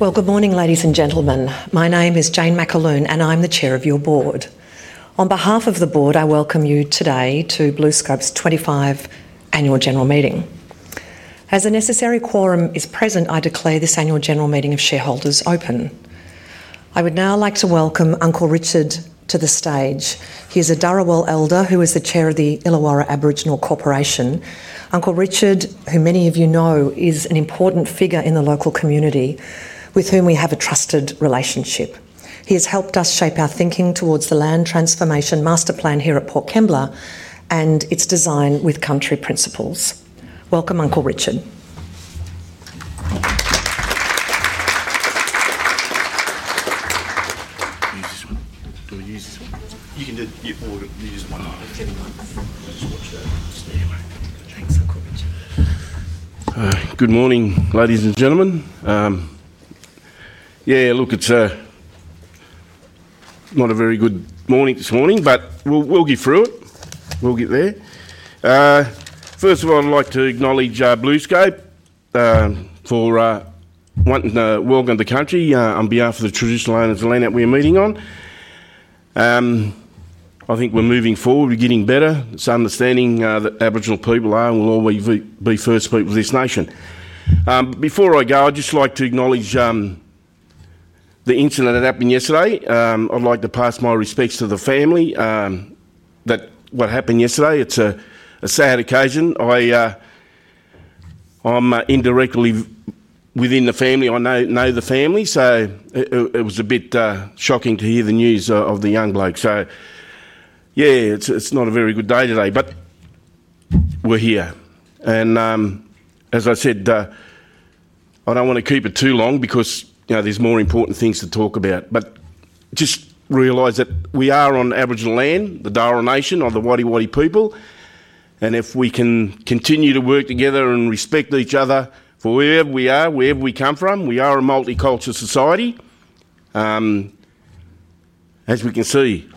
Good morning, ladies and gentlemen. My name is Jane McAloon, and I'm the Chair of your Board. On behalf of the board, I welcome you today to BlueScope's 25th Annual General Meeting. As a necessary quorum is present, I declare this Annual General Meeting of Shareholders open. I would now like to welcome Uncle Richard to the stage. He is a Dharawal Elder who is the Chair of the Illawarra Aboriginal Corporation. Uncle Richard, who many of you know, is an important figure in the local community with whom we have a trusted relationship. He has helped us shape our thinking towards the Land Transformation Master Plan here at Port Kembla and its design with country principles. Welcome, Uncle Richard. You can just use my mic. Thanks, Uncle Richard. Good morning, ladies and gentlemen. Yeah, look, it's not a very good morning this morning, but we'll get through it. We'll get there. First of all, I'd like to acknowledge BlueScope for welcoming the country on behalf of the traditional owners of the land that we're meeting on. I think we're moving forward. We're getting better. It's understanding that Aboriginal people are, and will always be, first people of this nation. Before I go, I'd just like to acknowledge the incident that happened yesterday. I'd like to pass my respects to the family that what happened yesterday. It's a sad occasion. I'm indirectly within the family. I know the family, so it was a bit shocking to hear the news of the young bloke. Yeah, it's not a very good day today, but we're here. As I said, I do not want to keep it too long because there are more important things to talk about. Just realize that we are on Aboriginal land, the Dharawal Nation, or the Wadi Wadi people. If we can continue to work together and respect each other for wherever we are, wherever we come from, we are a multicultural society. As we can see,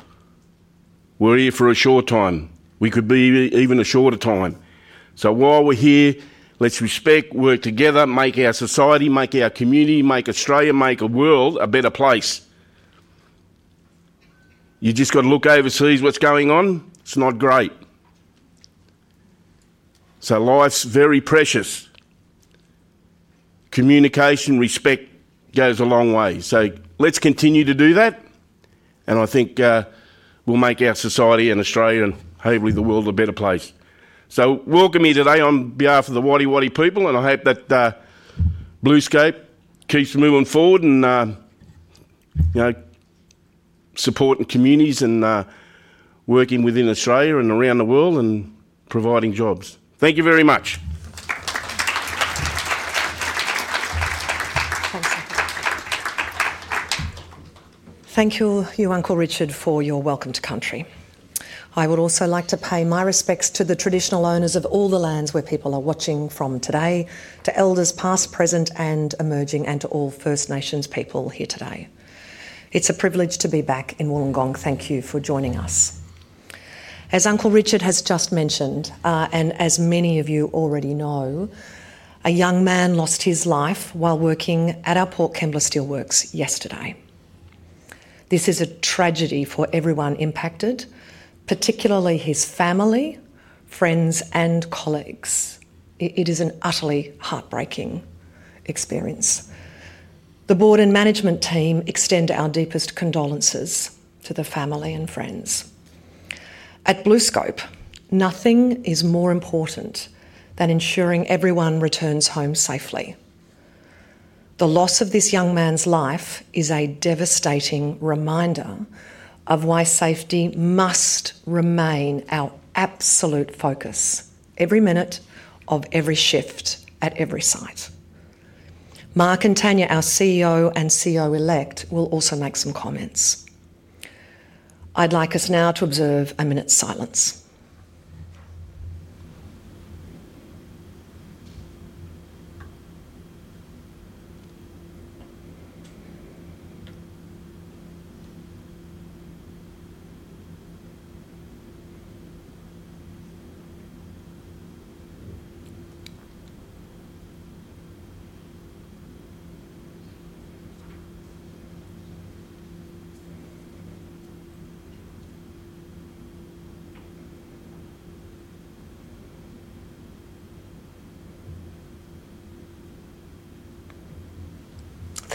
we are here for a short time. We could be here even a shorter time. While we are here, let us respect, work together, make our society, make our community, make Australia, make the world a better place. You just have to look overseas at what is going on. It is not great. Life is very precious. Communication, respect goes a long way. Let us continue to do that. I think we will make our society and Australia, and hopefully the world, a better place. Welcome here today on behalf of the Wadi Wadi people. I hope that BlueScope keeps moving forward and supporting communities and working within Australia and around the world and providing jobs. Thank you very much. Thank you, Uncle Richard, for your welcome to country. I would also like to pay my respects to the traditional owners of all the lands where people are watching from today, to elders past, present, and emerging, and to all First Nations people here today. It's a privilege to be back in Wollongong. Thank you for joining us. As Uncle Richard has just mentioned, and as many of you already know, a young man lost his life while working at our Port Kembla Steelworks yesterday. This is a tragedy for everyone impacted, particularly his family, friends, and colleagues. It is an utterly heartbreaking experience. The Board and management team extend our deepest condolences to the family and friends. At BlueScope, nothing is more important than ensuring everyone returns home safely. The loss of this young man's life is a devastating reminder of why safety must remain our absolute focus every minute of every shift at every site. Mark and Tania, our CEO and CEO elect, will also make some comments. I'd like us now to observe a minute's silence.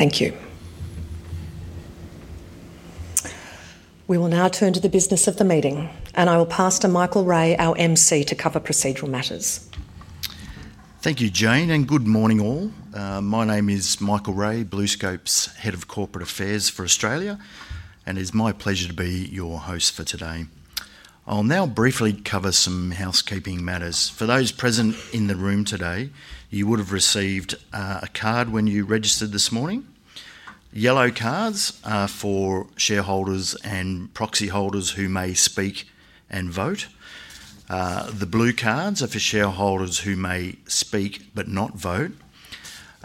Thank you. We will now turn to the business of the meeting, and I will pass to Michael Reay, our MC, to cover procedural matters. Thank you, Jane, and good morning, all. My name is Michael Reay, BlueScope's Head of Corporate Affairs for Australia, and it's my pleasure to be your host for today. I'll now briefly cover some housekeeping matters. For those present in the room today, you would have received a card when you registered this morning. Yellow cards are for shareholders and proxy holders who may speak and vote. The blue cards are for shareholders who may speak but not vote.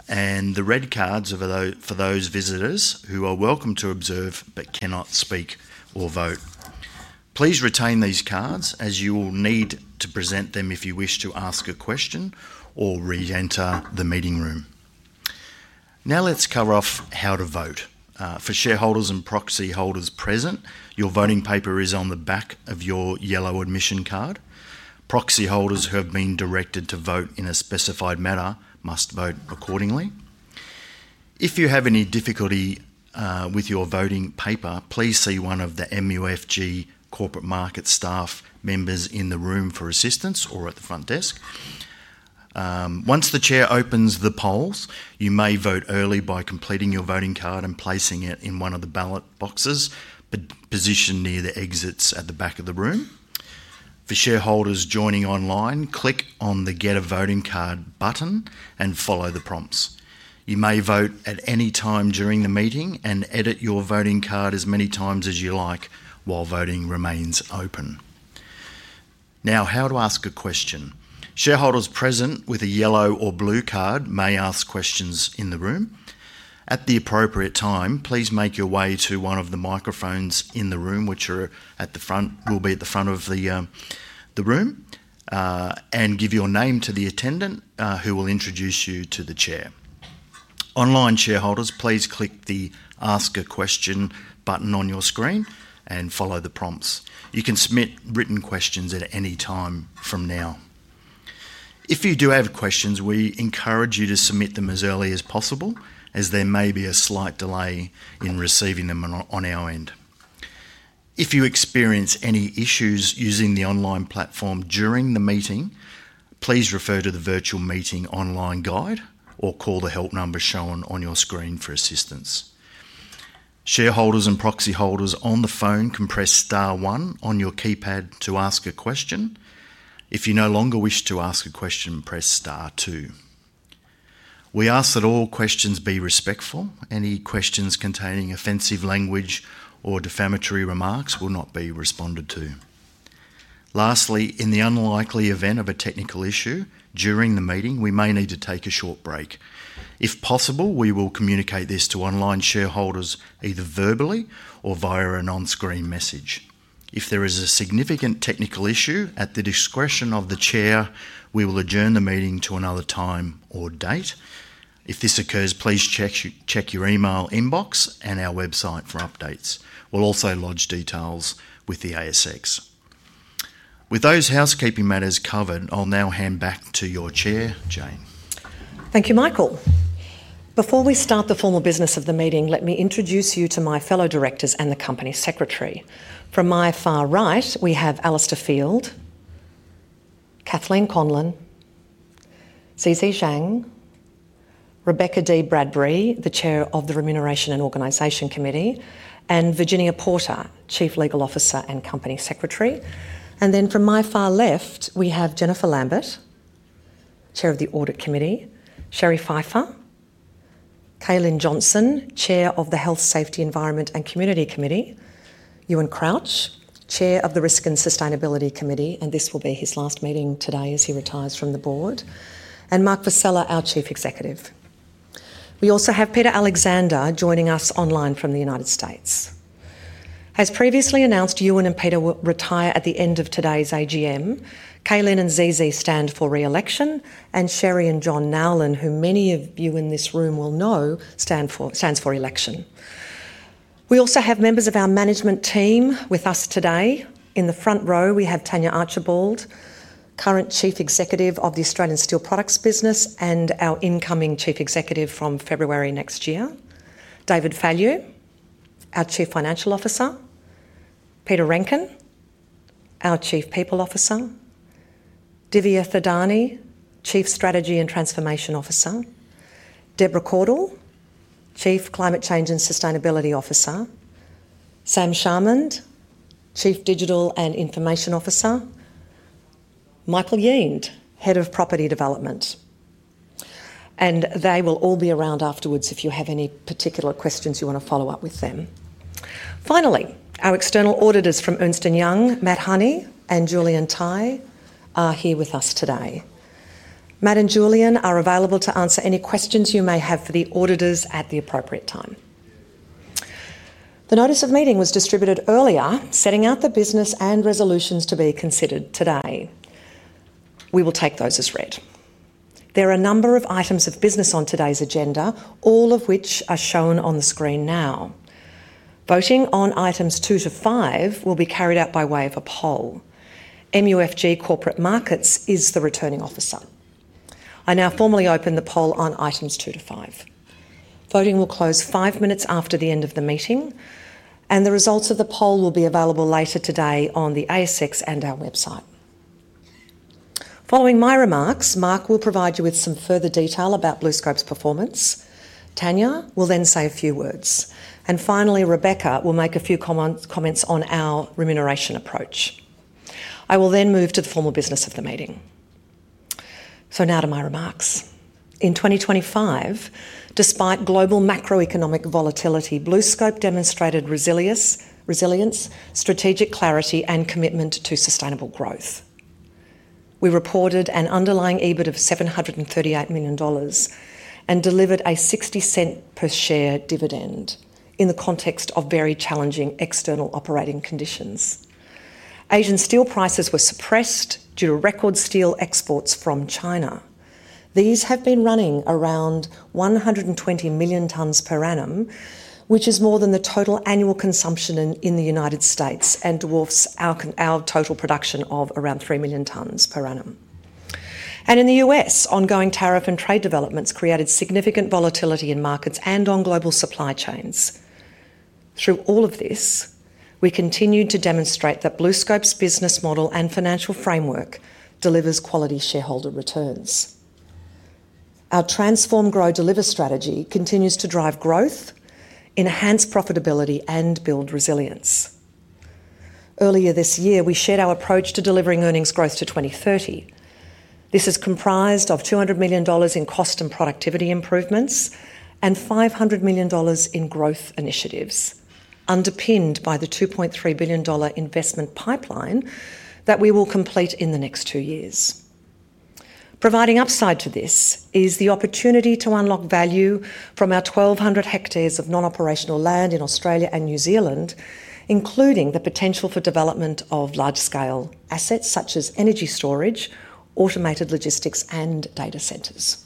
The red cards are for those visitors who are welcome to observe but cannot speak or vote. Please retain these cards as you will need to present them if you wish to ask a question or re-enter the meeting room. Now let's cover off how to vote. For shareholders and proxy holders present, your voting paper is on the back of your yellow admission card. Proxy holders who have been directed to vote in a specified manner must vote accordingly. If you have any difficulty with your voting paper, please see one of the MUFG Corporate Markets staff members in the room for assistance or at the front desk. Once the Chair opens the polls, you may vote early by completing your voting card and placing it in one of the ballot boxes positioned near the exits at the back of the room. For shareholders joining online, click on the Get a Voting Card button and follow the prompts. You may vote at any time during the meeting and edit your voting card as many times as you like while voting remains open. Now, how to ask a question. Shareholders present with a yellow or blue card may ask questions in the room. At the appropriate time, please make your way to one of the microphones in the room, which will be at the front of the room, and give your name to the attendant who will introduce you to the Chair. Online shareholders, please click the Ask a Question button on your screen and follow the prompts. You can submit written questions at any time from now. If you do have questions, we encourage you to submit them as early as possible, as there may be a slight delay in receiving them on our end. If you experience any issues using the online platform during the meeting, please refer to the Virtual Meeting Online Guide or call the help number shown on your screen for assistance. Shareholders and proxy holders on the phone can press star one on your keypad to ask a question. If you no longer wish to ask a question, press star two. We ask that all questions be respectful. Any questions containing offensive language or defamatory remarks will not be responded to. Lastly, in the unlikely event of a technical issue during the meeting, we may need to take a short break. If possible, we will communicate this to online shareholders either verbally or via an on-screen message. If there is a significant technical issue, at the discretion of the Chair, we will adjourn the meeting to another time or date. If this occurs, please check your email inbox and our website for updates. We'll also lodge details with the ASX. With those housekeeping matters covered, I'll now hand back to your Chair, Jane. Thank you, Michael. Before we start the formal business of the meeting, let me introduce you to my fellow Directors and the Company Secretary. From my far right, we have Alistair Field, Kathleen Conlon, ZZ Zhang, Rebecca Dee-Bradbury, the Chair of the Remuneration and Organisation Committee, and Virginia Porter, Chief Legal Officer and Company Secretary. From my far left, we have Jennifer Lambert, Chair of the Audit Committee, Cheri Phyfer, K'Lynne Johnson, Chair of the Health, Safety, Environment, and Community Committee, Ewen Crouch, Chair of the Risk and Sustainability Committee, and this will be his last meeting today as he retires from the Board, and Mark Vassella, our Chief Executive. We also have Peter Alexander joining us online from the United States. As previously announced, Ewen and Peter will retire at the end of today's AGM. K'Lynne and ZZ stand for re-election, and Cheri and John Nowlan, who many of you in this room will know, stand for election. We also have members of our management team with us today. In the front row, we have Tania Archibald, current Chief Executive of the Australian Steel Products business and our incoming Chief Executive from February next year, David Fallu, our Chief Financial Officer, Peta Renkin, our Chief People Officer, Divya Thadani, Chief Strategy and Transformation Officer, Deborah Caudle, Chief Climate Change and Sustainability Officer, Sam Charmand, Chief Digital and Information Officer, Michael Yiend, Head of Property Development. They will all be around afterwards if you have any particular questions you want to follow up with them. Finally, our external auditors from Ernst & Young, Matt Honey and Julian Tai, are here with us today. Matt and Julian are available to answer any questions you may have for the auditors at the appropriate time. The notice of meeting was distributed earlier, setting out the business and resolutions to be considered today. We will take those as read. There are a number of items of business on today's agenda, all of which are shown on the screen now. Voting on items 2-5 will be carried out by way of a poll. MUFG Corporate Markets is the returning officer. I now formally open the poll on items 2-5. Voting will close five minutes after the end of the meeting, and the results of the poll will be available later today on the ASX and our website. Following my remarks, Mark will provide you with some further detail about BlueScope's performance. Tania will then say a few words. Finally, Rebecca will make a few comments on our remuneration approach. I will then move to the formal business of the meeting. Now to my remarks. In 2025, despite global macroeconomic volatility, BlueScope demonstrated resilience, strategic clarity, and commitment to sustainable growth. We reported an underlying EBIT of 738 million dollars and delivered a 0.60 per share dividend in the context of very challenging external operating conditions. Asian steel prices were suppressed due to record steel exports from China. These have been running around 120 million tons per annum, which is more than the total annual consumption in the U.S. and dwarfs our total production of around 3 million tons per annum. In the U.S., ongoing tariff and trade developments created significant volatility in markets and on global supply chains. Through all of this, we continued to demonstrate that BlueScope's business model and financial framework delivers quality shareholder returns. Our transform, grow, deliver strategy continues to drive growth, enhance profitability, and build resilience. Earlier this year, we shared our approach to delivering earnings growth to 2030. This is comprised of 200 million dollars in cost and productivity improvements and 500 million dollars in growth initiatives, underpinned by the 2.3 billion dollar investment pipeline that we will complete in the next two years. Providing upside to this is the opportunity to unlock value from our 1,200 hectares of non-operational land in Australia and New Zealand, including the potential for development of large-scale assets such as energy storage, automated logistics, and data centers.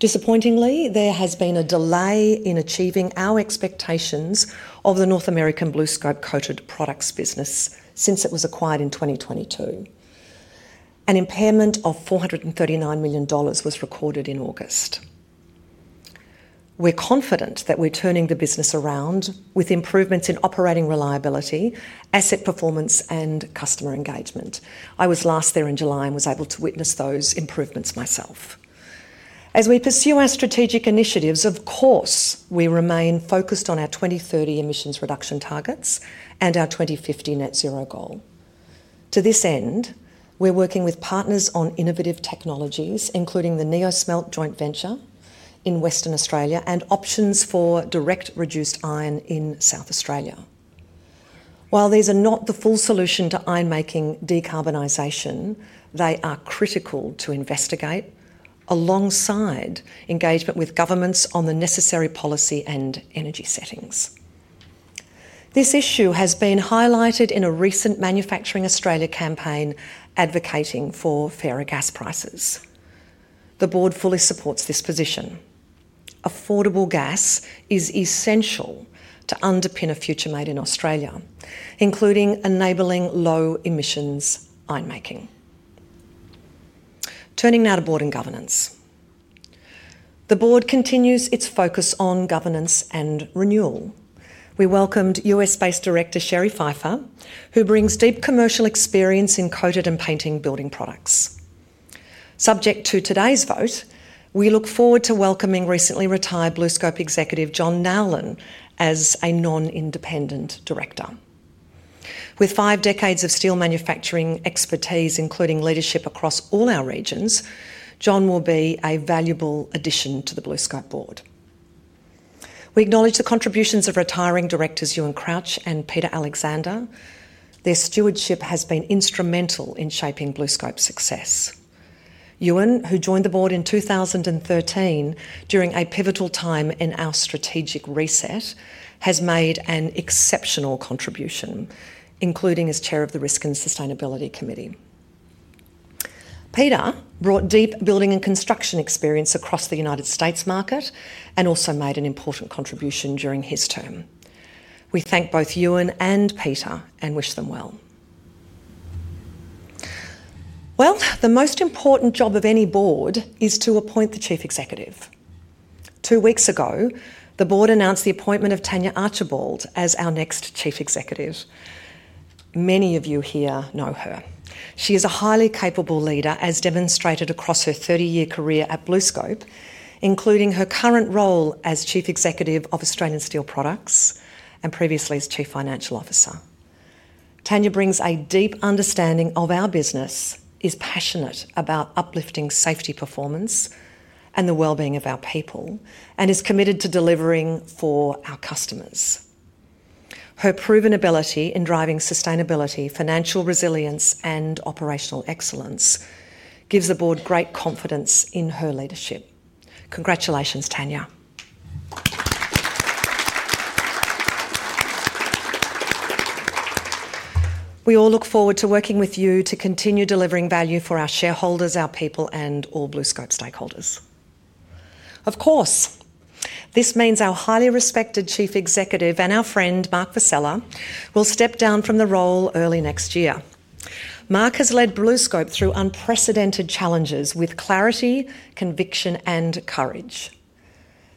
Disappointingly, there has been a delay in achieving our expectations of the North American BlueScope Coated Products business since it was acquired in 2022. An impairment of 439 million dollars was recorded in August. We're confident that we're turning the business around with improvements in operating reliability, asset performance, and customer engagement. I was last there in July and was able to witness those improvements myself. As we pursue our strategic initiatives, of course, we remain focused on our 2030 emissions reduction targets and our 2050 net zero goal. To this end, we're working with partners on innovative technologies, including the NeoSmelt joint venture in Western Australia and options for direct reduced iron in South Australia. While these are not the full solution to iron-making decarbonisation, they are critical to investigate alongside engagement with governments on the necessary policy and energy settings. This issue has been highlighted in a recent Manufacturing Australia campaign advocating for fairer gas prices. The board fully supports this position. Affordable gas is essential to underpin a future made in Australia, including enabling low-emissions iron-making. Turning now to Board and governance. The Board continues its focus on governance and renewal. We welcomed U.S.-based Director Cheri Phyfer, who brings deep commercial experience in coated and painting building products. Subject to today's vote, we look forward to welcoming recently retired BlueScope Executive John Nowlan as a Non-Independent Director. With five decades of steel manufacturing expertise, including leadership across all our regions, John will be a valuable addition to the BlueScope Board. We acknowledge the contributions of retiring directors Ewen Crouch and Peter Alexander. Their stewardship has been instrumental in shaping BlueScope's success. Ewen, who joined the Board in 2013 during a pivotal time in our strategic reset, has made an exceptional contribution, including as Chair of the Risk and Sustainability Committee. Peter brought deep building and construction experience across the United States market and also made an important contribution during his term. We thank both Ewen and Peter and wish them well. The most important job of any Board is to appoint the Chief Executive. Two weeks ago, the Board announced the appointment of Tania Archibald as our next Chief Executive. Many of you here know her. She is a highly capable leader, as demonstrated across her 30-year career at BlueScope, including her current role as Chief Executive of Australian Steel Products and previously as Chief Financial Officer. Tania brings a deep understanding of our business, is passionate about uplifting safety performance and the well-being of our people, and is committed to delivering for our customers. Her proven ability in driving sustainability, financial resilience, and operational excellence gives the Board great confidence in her leadership. Congratulations, Tania. We all look forward to working with you to continue delivering value for our shareholders, our people, and all BlueScope stakeholders. Of course, this means our highly respected Chief Executive and our friend Mark Vassella will step down from the role early next year. Mark has led BlueScope through unprecedented challenges with clarity, conviction, and courage.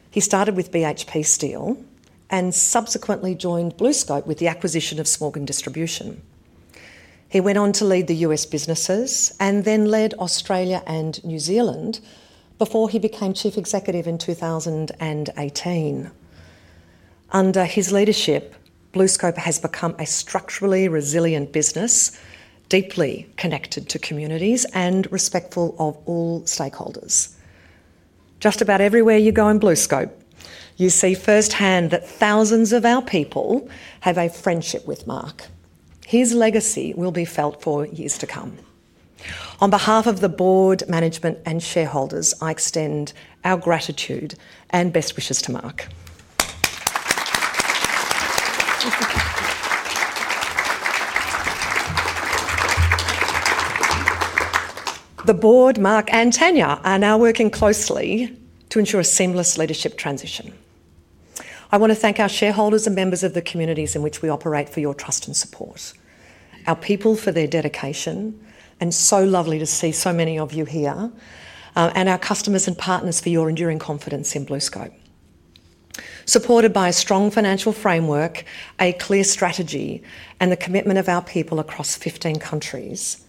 He started with BHP Steel and subsequently joined BlueScope with the acquisition of Smorgon Distribution. He went on to lead the U.S. businesses and then led Australia and New Zealand before he became Chief Executive in 2018. Under his leadership, BlueScope has become a structurally resilient business, deeply connected to communities and respectful of all stakeholders. Just about everywhere you go in BlueScope, you see firsthand that thousands of our people have a friendship with Mark. His legacy will be felt for years to come. On behalf of the Board, management, and shareholders, I extend our gratitude and best wishes to Mark. The Board, Mark, and Tania are now working closely to ensure a seamless leadership transition. I want to thank our shareholders and members of the communities in which we operate for your trust and support, our people for their dedication, and so lovely to see so many of you here, and our customers and partners for your enduring confidence in BlueScope. Supported by a strong financial framework, a clear strategy, and the commitment of our people across 15 countries,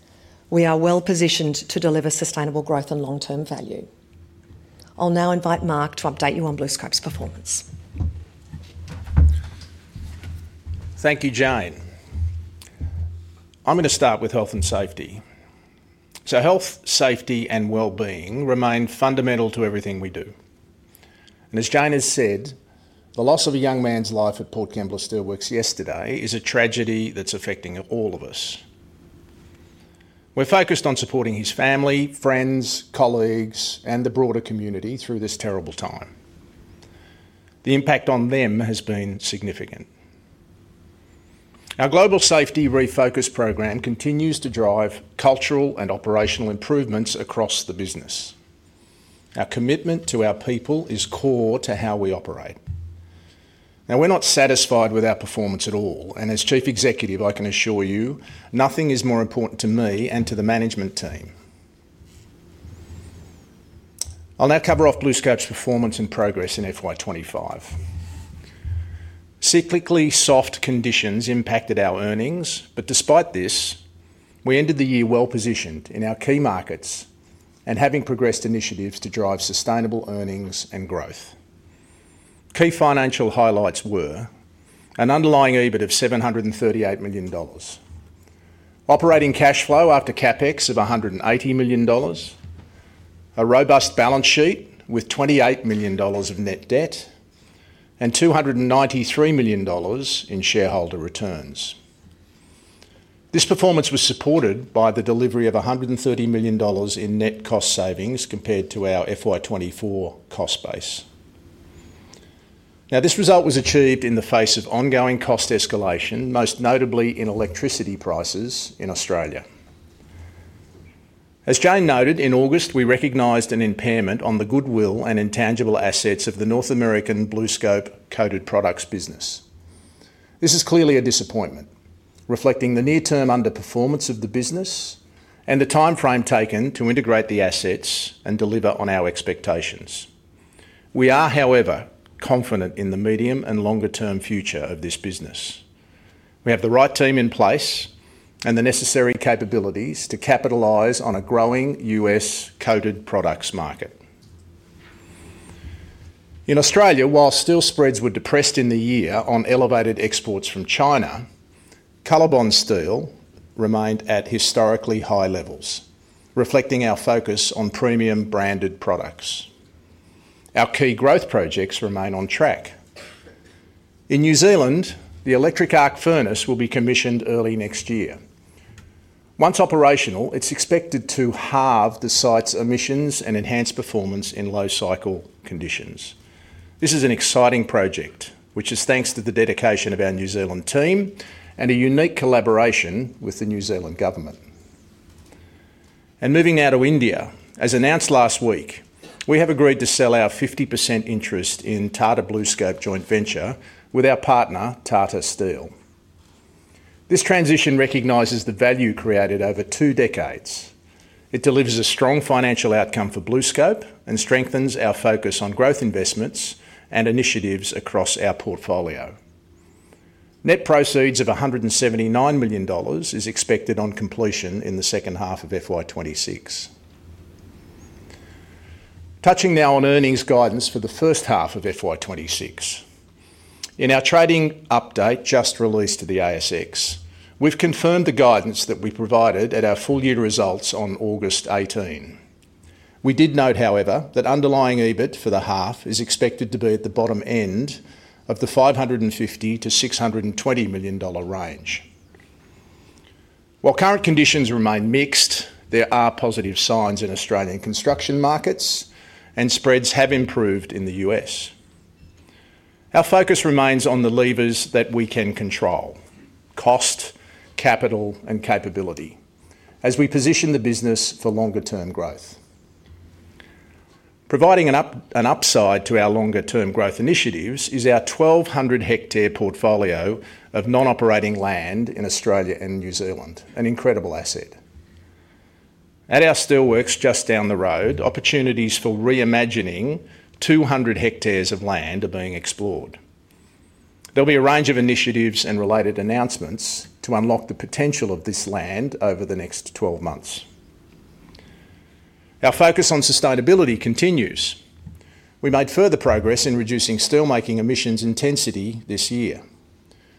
we are well positioned to deliver sustainable growth and long-term value. I'll now invite Mark to update you on BlueScope's performance. Thank you, Jane. I'm going to start with Health and Safety. Health, Safety, and well-being remain fundamental to everything we do. As Jane has said, the loss of a young man's life at Port Kembla Steelworks yesterday is a tragedy that's affecting all of us. We're focused on supporting his family, friends, colleagues, and the broader community through this terrible time. The impact on them has been significant. Our Global Safety Refocus program continues to drive cultural and operational improvements across the business. Our commitment to our people is core to how we operate. We're not satisfied with our performance at all. As Chief Executive, I can assure you nothing is more important to me and to the management team. I'll now cover off BlueScope's performance and progress in FY2025. Cyclically soft conditions impacted our earnings, but despite this, we ended the year well positioned in our key markets and having progressed initiatives to drive sustainable earnings and growth. Key financial highlights were an underlying EBIT of 738 million dollars, operating cash flow after CapEx of 180 million dollars, a robust balance sheet with 28 million dollars of net debt, and 293 million dollars in shareholder returns. This performance was supported by the delivery of 130 million dollars in net cost savings compared to our FY2024 cost base. Now, this result was achieved in the face of ongoing cost escalation, most notably in electricity prices in Australia. As Jane noted, in August, we recognized an impairment on the goodwill and intangible assets of the North American BlueScope coated products business. This is clearly a disappointment, reflecting the near-term underperformance of the business and the timeframe taken to integrate the assets and deliver on our expectations. We are, however, confident in the medium and longer-term future of this business. We have the right team in place and the necessary capabilities to capitalize on a growing U.S. coated products market. In Australia, while steel spreads were depressed in the year on elevated exports from China, COLORBOND Steel remained at historically high levels, reflecting our focus on premium branded products. Our key growth projects remain on track. In New Zealand, the Electric Arc Furnace will be commissioned early next year. Once operational, it's expected to halve the site's emissions and enhance performance in low-cycle conditions. This is an exciting project, which is thanks to the dedication of our New Zealand team and a unique collaboration with the New Zealand government. Moving now to India, as announced last week, we have agreed to sell our 50% interest in Tata BlueScope joint venture with our partner, Tata Steel. This transition recognizes the value created over two decades. It delivers a strong financial outcome for BlueScope and strengthens our focus on growth investments and initiatives across our portfolio. Net proceeds of 179 million dollars is expected on completion in the second half of FY2026. Touching now on earnings guidance for the first half of FY2026. In our trading update just released to the ASX, we've confirmed the guidance that we provided at our full year results on August 18. We did note, however, that underlying EBIT for the half is expected to be at the bottom end of the 550 million-620 million dollar range. While current conditions remain mixed, there are positive signs in Australian construction markets, and spreads have improved in the U.S. Our focus remains on the levers that we can control: cost, capital, and capability, as we position the business for longer-term growth. Providing an upside to our longer-term growth initiatives is our 1,200-hectare portfolio of non-operating land in Australia and New Zealand, an incredible asset. At our steelworks just down the road, opportunities for reimagining 200 hectares of land are being explored. There'll be a range of initiatives and related announcements to unlock the potential of this land over the next 12 months. Our focus on sustainability continues. We made further progress in reducing steelmaking emissions intensity this year,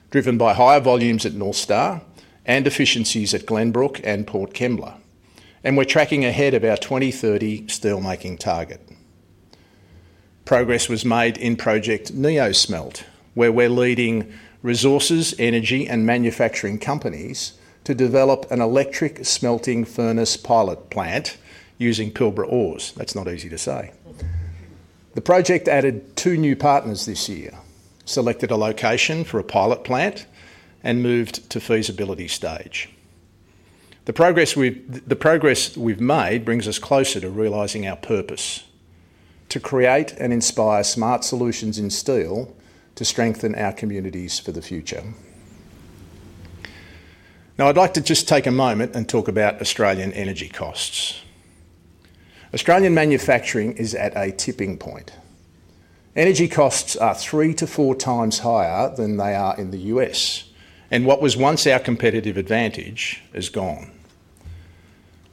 driven by higher volumes at North Star and efficiencies at Glenbrook and Port Kembla, and we're tracking ahead of our 2030 steelmaking target. Progress was made in project NeoSmelt, where we're leading resources, energy, and manufacturing companies to develop an electric smelting furnace pilot plant using Pilbara ores. That's not easy to say. The project added two new partners this year, selected a location for a pilot plant, and moved to feasibility stage. The progress we've made brings us closer to realizing our purpose: to create and inspire smart solutions in steel to strengthen our communities for the future. Now, I'd like to just take a moment and talk about Australian energy costs. Australian manufacturing is at a tipping point. Energy costs are 3x-4x higher than they are in the U.S., and what was once our competitive advantage is gone.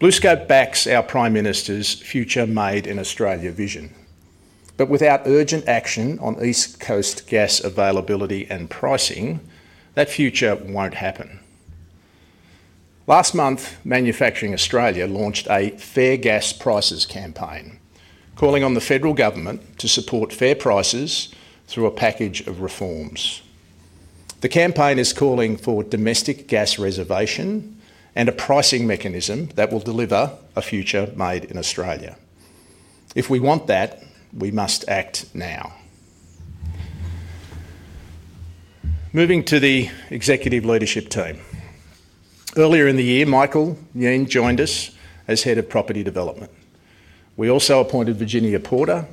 BlueScope backs our Prime Minister's future-made-in-Australia vision. Without urgent action on East Coast gas availability and pricing, that future will not happen. Last month, Manufacturing Australia launched a fair gas prices campaign, calling on the federal government to support fair prices through a package of reforms. The campaign is calling for domestic gas reservation and a pricing mechanism that will deliver a future-made-in-Australia. If we want that, we must act now. Moving to the executive leadership team. Earlier in the year, Michael Yiend joined us as Head of Property Development. We also appointed Virginia Porter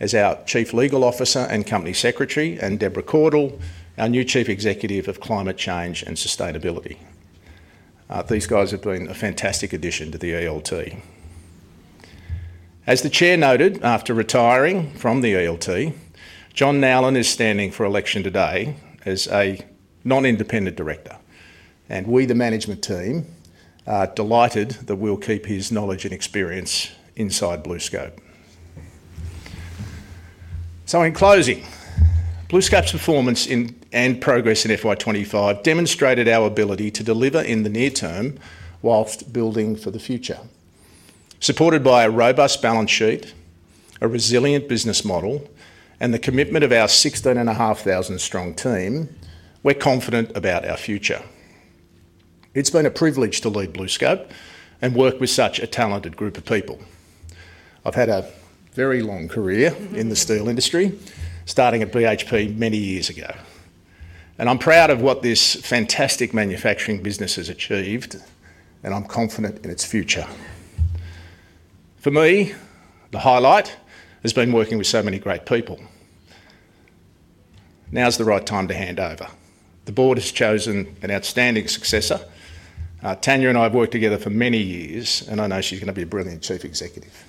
as our Chief Legal Officer and Company Secretary, and Deborah Caudle, our new Chief Executive of Climate Change and Sustainability. These guys have been a fantastic addition to the ELT. As the Chair noted, after retiring from the ELT, John Nowlan is standing for election today as a Non-Independent Director. We, the management team, are delighted that we'll keep his knowledge and experience inside BlueScope. In closing, BlueScope's performance and progress in FY2025 demonstrated our ability to deliver in the near term whilst building for the future. Supported by a robust balance sheet, a resilient business model, and the commitment of our 16,500-strong team, we're confident about our future. It's been a privilege to lead BlueScope and work with such a talented group of people. I've had a very long career in the steel industry, starting at BHP many years ago. I'm proud of what this fantastic manufacturing business has achieved, and I'm confident in its future. For me, the highlight has been working with so many great people. Now's the right time to hand over. The Board has chosen an outstanding successor. Tania and I have worked together for many years, and I know she's going to be a brilliant Chief Executive.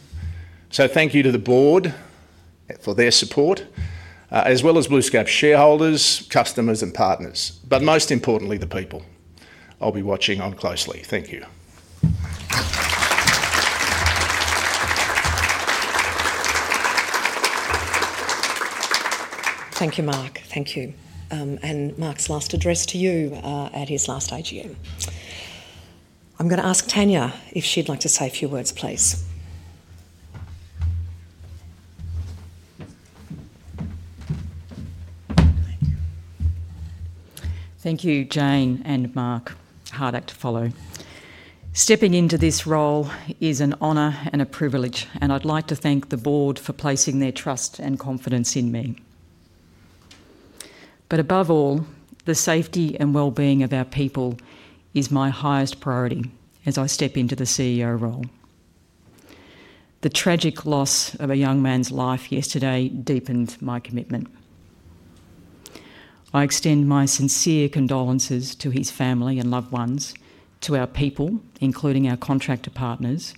Thank you to the Board for their support, as well as BlueScope's shareholders, customers, and partners, but most importantly, the people I'll be watching on closely. Thank you. Thank you, Mark. Thank you. Mark's last address to you at his last AGM. I'm going to ask Tania if she'd like to say a few words, please. Thank you, Jane and Mark. Hard act to follow. Stepping into this role is an honor and a privilege, and I'd like to thank the Board for placing their trust and confidence in me. Above all, the safety and well-being of our people is my highest priority as I step into the CEO role. The tragic loss of a young man's life yesterday deepened my commitment. I extend my sincere condolences to his family and loved ones, to our people, including our contractor partners,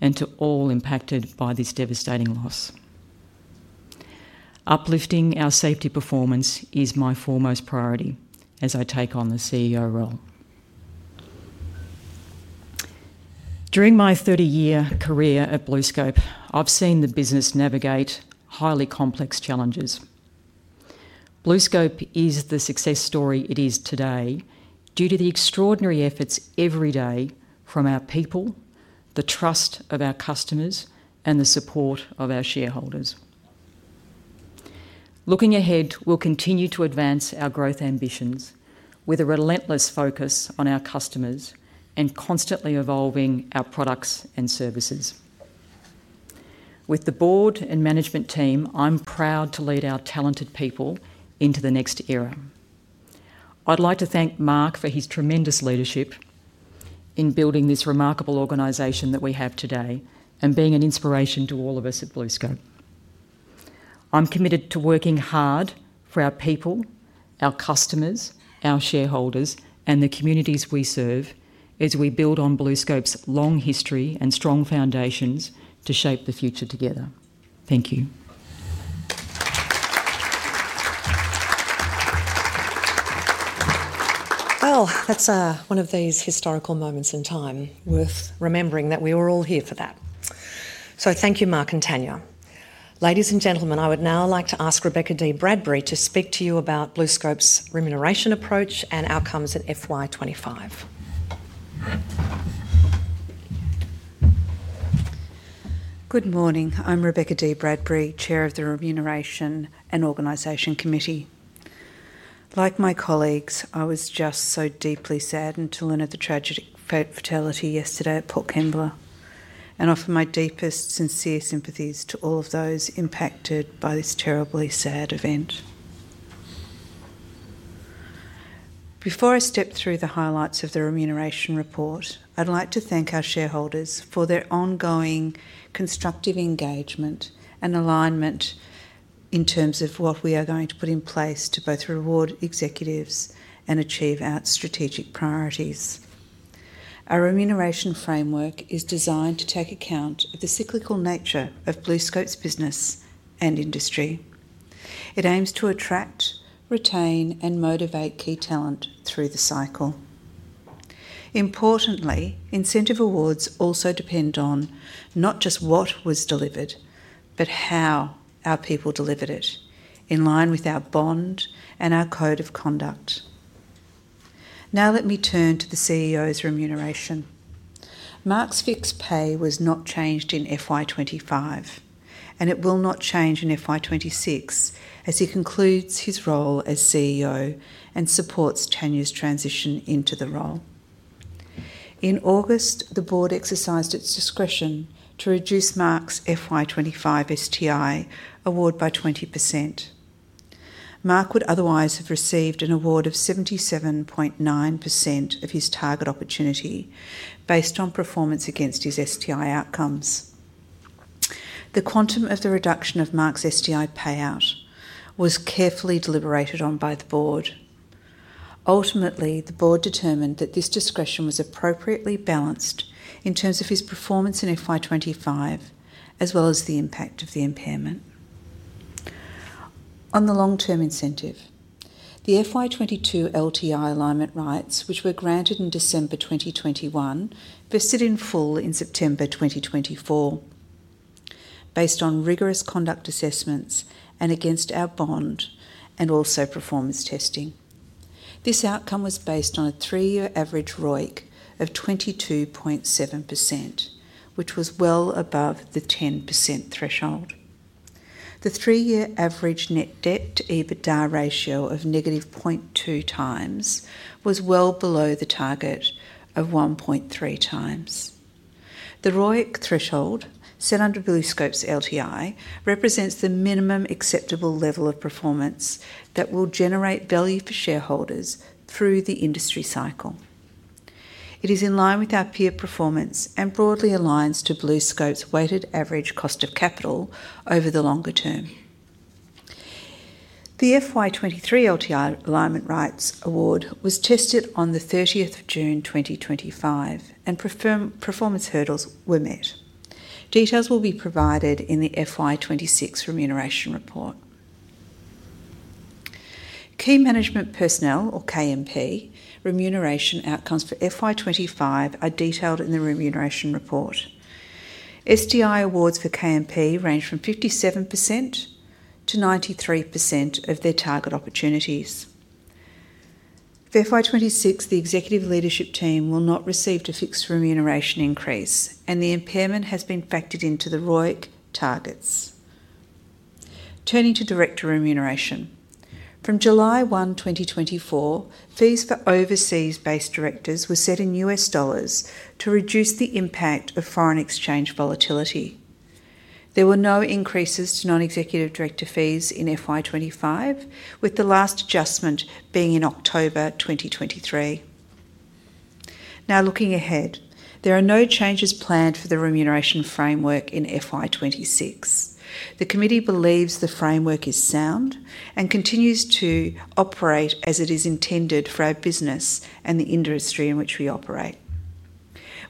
and to all impacted by this devastating loss. Uplifting our safety performance is my foremost priority as I take on the CEO role. During my 30-year career at BlueScope, I've seen the business navigate highly complex challenges. BlueScope is the success story it is today due to the extraordinary efforts every day from our people, the trust of our customers, and the support of our shareholders. Looking ahead, we'll continue to advance our growth ambitions with a relentless focus on our customers and constantly evolving our products and services. With the Board and management team, I'm proud to lead our talented people into the next era. I'd like to thank Mark for his tremendous leadership in building this remarkable organization that we have today and being an inspiration to all of us at BlueScope. I'm committed to working hard for our people, our customers, our shareholders, and the communities we serve as we build on BlueScope's long history and strong foundations to shape the future together. Thank you. That is one of these historical moments in time worth remembering that we were all here for that. Thank you, Mark and Tania. Ladies and gentlemen, I would now like to ask Rebecca Dee-Bradbury to speak to you about BlueScope's remuneration approach and outcomes at FY2025. Good morning. I'm Rebecca Dee-Bradbury, Chair of the Remuneration and Organisation Committee. Like my colleagues, I was just so deeply saddened to learn of the tragic fatality yesterday at Port Kembla and offer my deepest, sincere sympathies to all of those impacted by this terribly sad event. Before I step through the highlights of the remuneration report, I'd like to thank our shareholders for their ongoing constructive engagement and alignment in terms of what we are going to put in place to both reward executives and achieve our strategic priorities. Our remuneration framework is designed to take account of the cyclical nature of BlueScope's business and industry. It aims to attract, retain, and motivate key talent through the cycle. Importantly, incentive awards also depend on not just what was delivered, but how our people delivered it in line with our bond and our code of conduct. Now, let me turn to the CEO's remuneration. Mark's fixed pay was not changed in FY2025, and it will not change in FY2026 as he concludes his role as CEO and supports Tania's transition into the role. In August, the board exercised its discretion to reduce Mark's FY2025 STI award by 20%. Mark would otherwise have received an award of 77.9% of his target opportunity based on performance against his STI outcomes. The quantum of the reduction of Mark's STI payout was carefully deliberated on by the Board. Ultimately, the Board determined that this discretion was appropriately balanced in terms of his performance in FY2025 as well as the impact of the impairment. On the long-term incentive, the FY2022 LTI alignment rights, which were granted in December 2021, vested in full in September 2024 based on rigorous conduct assessments and against our bond and also performance testing. This outcome was based on a three-year average ROIC of 22.7%, which was well above the 10% threshold. The three-year average net debt to EBITDA ratio of negative 0.2x was well below the target of 1.3x. The ROIC threshold set under BlueScope's LTI represents the minimum acceptable level of performance that will generate value for shareholders through the industry cycle. It is in line with our peer performance and broadly aligns to BlueScope's weighted average cost of capital over the longer term. The FY2023 LTI alignment rights award was tested on the 30th of June 2025, and performance hurdles were met. Details will be provided in the FY2026 remuneration report. Key Management Personnel, or KMP, remuneration outcomes for FY2025 are detailed in the remuneration report. STI awards for KMP range from 57%-93% of their target opportunities. For FY2026, the executive leadership team will not receive the fixed remuneration increase, and the impairment has been factored into the ROIC targets. Turning to director remuneration. From July 1, 2024, fees for overseas-based directors were set in U.S. dollars to reduce the impact of foreign exchange volatility. There were no increases to non-executive director fees in FY2025, with the last adjustment being in October 2023. Now, looking ahead, there are no changes planned for the remuneration framework in FY2026. The committee believes the framework is sound and continues to operate as it is intended for our business and the industry in which we operate.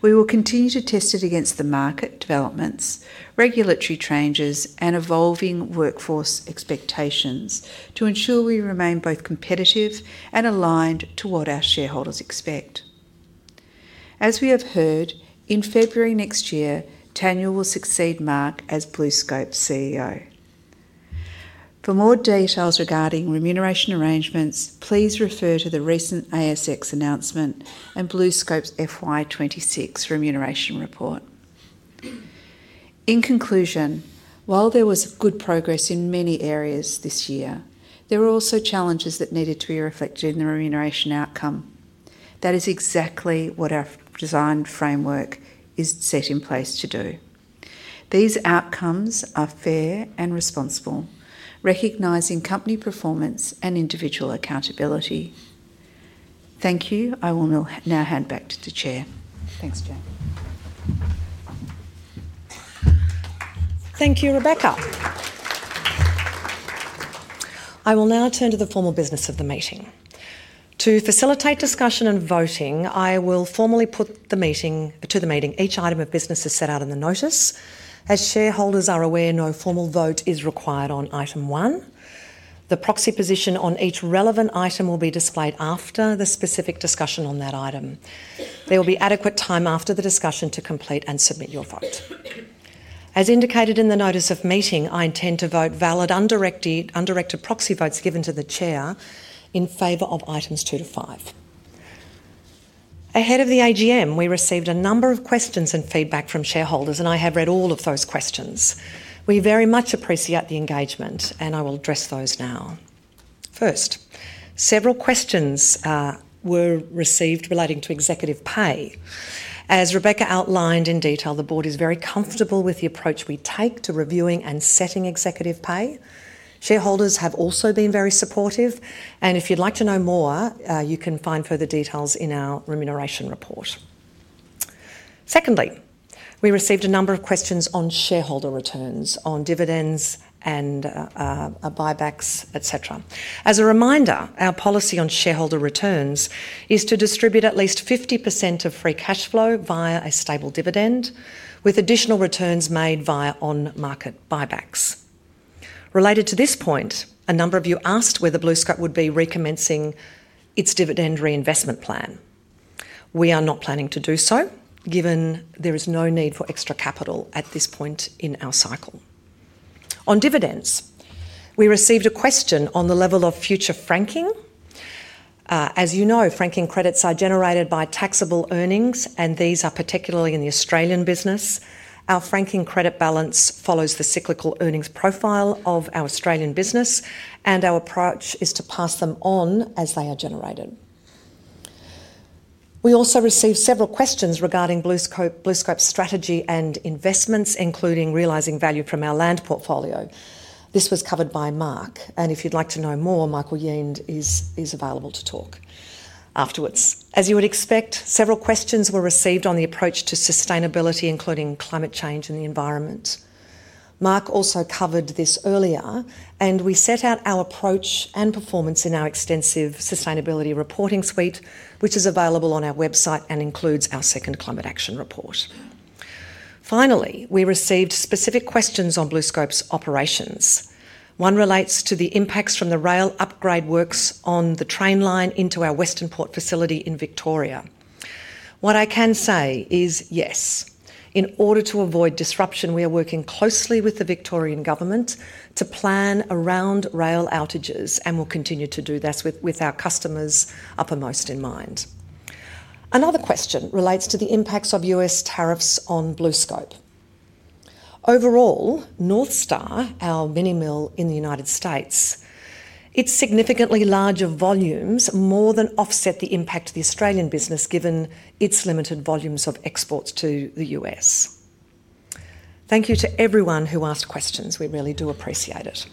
We will continue to test it against the market developments, regulatory changes, and evolving workforce expectations to ensure we remain both competitive and aligned to what our shareholders expect. As we have heard, in February next year, Tania will succeed Mark as BlueScope's CEO. For more details regarding remuneration arrangements, please refer to the recent ASX announcement and BlueScope's FY2026 remuneration report. In conclusion, while there was good progress in many areas this year, there were also challenges that needed to be reflected in the remuneration outcome. That is exactly what our design framework is set in place to do. These outcomes are fair and responsible, recognizing company performance and individual accountability. Thank you. I will now hand back to the Chair. Thanks, Jane. Thank you, Rebecca. I will now turn to the formal business of the meeting. To facilitate discussion and voting, I will formally put the meeting to the meeting. Each item of business is set out in the notice. As shareholders are aware, no formal vote is required on item one. The proxy position on each relevant item will be displayed after the specific discussion on that item. There will be adequate time after the discussion to complete and submit your vote. As indicated in the notice of meeting, I intend to vote valid undirected proxy votes given to the Chair in favor of items 2-5. Ahead of the AGM, we received a number of questions and feedback from shareholders, and I have read all of those questions. We very much appreciate the engagement, and I will address those now. First, several questions were received relating to Executive pay. As Rebecca outlined in detail, the Board is very comfortable with the approach we take to reviewing and setting Executive pay. Shareholders have also been very supportive. If you'd like to know more, you can find further details in our remuneration report. Secondly, we received a number of questions on shareholder returns, on dividends and buybacks, et cetera. As a reminder, our policy on shareholder returns is to distribute at least 50% of free cash flow via a stable dividend, with additional returns made via on-market buybacks. Related to this point, a number of you asked whether BlueScope would be recommencing its dividend reinvestment plan. We are not planning to do so, given there is no need for extra capital at this point in our cycle. On dividends, we received a question on the level of future franking. As you know, franking credits are generated by taxable earnings, and these are particularly in the Australian business. Our franking credit balance follows the cyclical earnings profile of our Australian business, and our approach is to pass them on as they are generated. We also received several questions regarding BlueScope's strategy and investments, including realizing value from our Land portfolio. This was covered by Mark. If you'd like to know more, Michael Yiend is available to talk afterwards. As you would expect, several questions were received on the approach to sustainability, including climate change and the environment. Mark also covered this earlier, and we set out our approach and performance in our extensive sustainability reporting suite, which is available on our website and includes our second climate action report. Finally, we received specific questions on BlueScope's operations. One relates to the impacts from the rail upgrade works on the train line into our Western Port facility in Victoria. What I can say is yes. In order to avoid disruption, we are working closely with the Victorian government to plan around rail outages and will continue to do this with our customers uppermost in mind. Another question relates to the impacts of U.S. tariffs on BlueScope. Overall, North Star, our mini mill in the United States, its significantly larger volumes more than offset the impact of the Australian business, given its limited volumes of exports to the U.S. Thank you to everyone who asked questions. We really do appreciate it.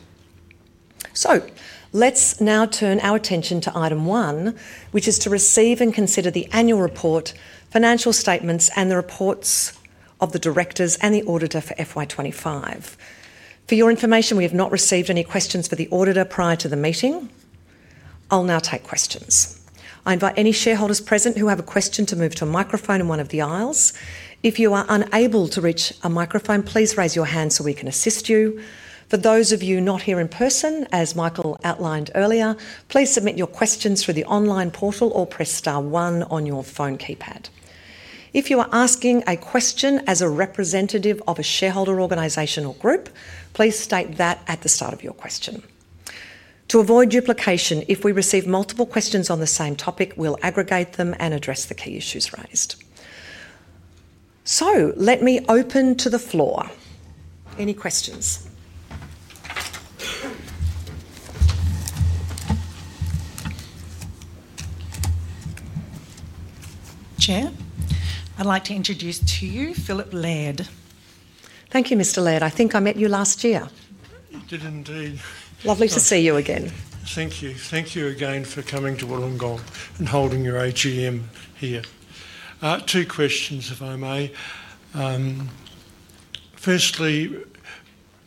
Let's now turn our attention to item one, which is to receive and consider the annual report, financial statements, and the reports of the Directors and the Auditor for FY2025. For your information, we have not received any questions for the Auditor prior to the meeting. I'll now take questions. I invite any shareholders present who have a question to move to a microphone in one of the aisles. If you are unable to reach a microphone, please raise your hand so we can assist you. For those of you not here in person, as Michael outlined earlier, please submit your questions through the online portal or press star one on your phone keypad. If you are asking a question as a representative of a shareholder organization or group, please state that at the start of your question. To avoid duplication, if we receive multiple questions on the same topic, we'll aggregate them and address the key issues raised. Let me open to the floor. Any questions? Chair, I'd like to introduce to you Philip Laird. Thank you, Mr. Laird. I think I met you last year. I did indeed. Lovely to see you again. Thank you. Thank you again for coming to Wollongong and holding your AGM here. Two questions, if I may. Firstly,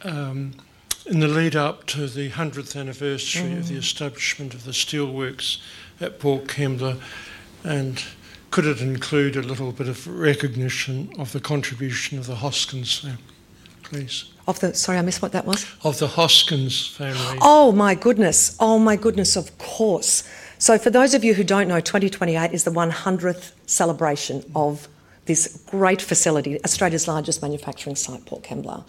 in the lead-up to the 100th anniversary of the establishment of the steelworks at Port Kembla, could it include a little bit of recognition of the contribution of the Hoskins family, please? Of the—sorry, I missed what that was. Of the Hoskins family. Oh, my goodness. Oh, my goodness, of course. For those of you who don't know, 2028 is the 100th celebration of this great facility, Australia's largest manufacturing site, Port Kembla.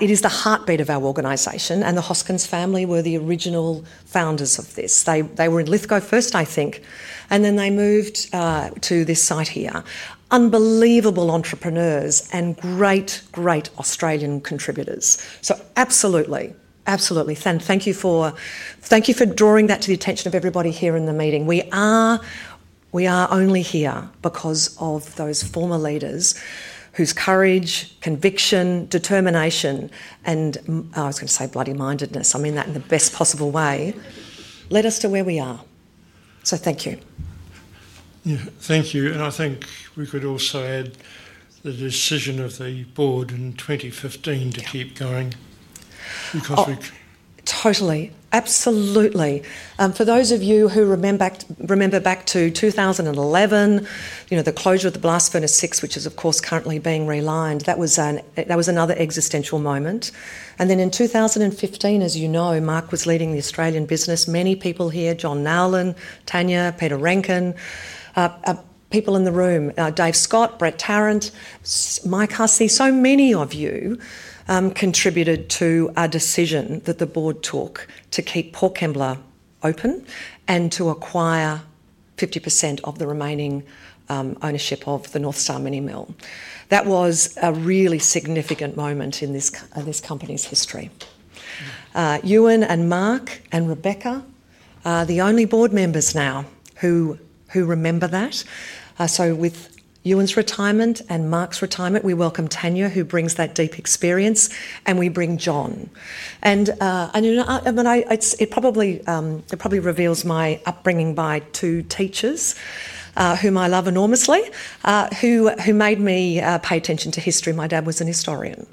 It is the heartbeat of our organization, and the Hoskins family were the original founders of this. They were in Lithgow first, I think, and then they moved to this site here. Unbelievable entrepreneurs and great, great Australian contributors. Absolutely, absolutely. Thank you for drawing that to the attention of everybody here in the meeting. We are only here because of those former leaders whose courage, conviction, determination, and—I was going to say bloody-mindedness. I mean that in the best possible way led us to where we are. Thank you. Yeah, thank you. I think we could also add the decision of the Board in 2015 to keep going because we— Totally. Absolutely. For those of you who remember back to 2011, the closure of the Blast Furnace 6, which is, of course, currently being relined, that was another existential moment. In 2015, as you know, Mark was leading the Australian business. Many people here—John Nowlan, Tania, Peta Renkin, people in the room—Dave Scott, Brett Tarrant, Mike Hussey—so many of you contributed to our decision that the board took to keep Port Kembla open and to acquire 50% of the remaining ownership of the North Star mini mill. That was a really significant moment in this company's history. Ewen, Mark, and Rebecca are the only Board members now who remember that. With Ewen's retirement and Mark's retirement, we welcome Tania, who brings that deep experience, and we bring John. It probably reveals my upbringing by two teachers, whom I love enormously, who made me pay attention to history. My dad was a historian.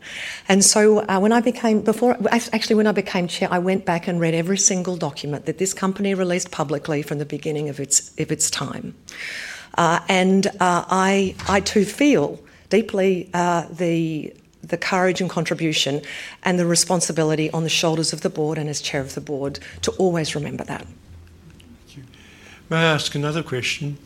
When I became—actually, when I became Chair, I went back and read every single document that this company released publicly from the beginning of its time. I too feel deeply the courage and contribution and the responsibility on the shoulders of the Board and as Chair of the board to always remember that. Thank you. May I ask another question?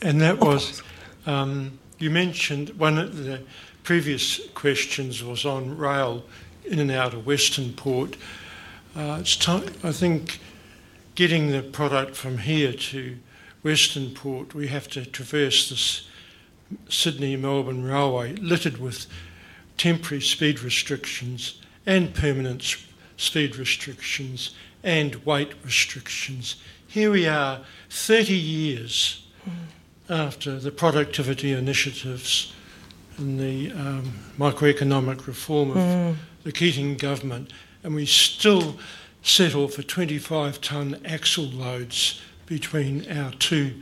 That was—you mentioned one of the previous questions was on rail in and out of Western Port. I think getting the product from here to Western Port, we have to traverse this Sydney-Mulberry railway littered with temporary speed restrictions and permanent speed restrictions and weight restrictions. Here we are 30 years after the productivity initiatives and the microeconomic reform of the Keating government, and we still settle for 25-ton axle loads between our two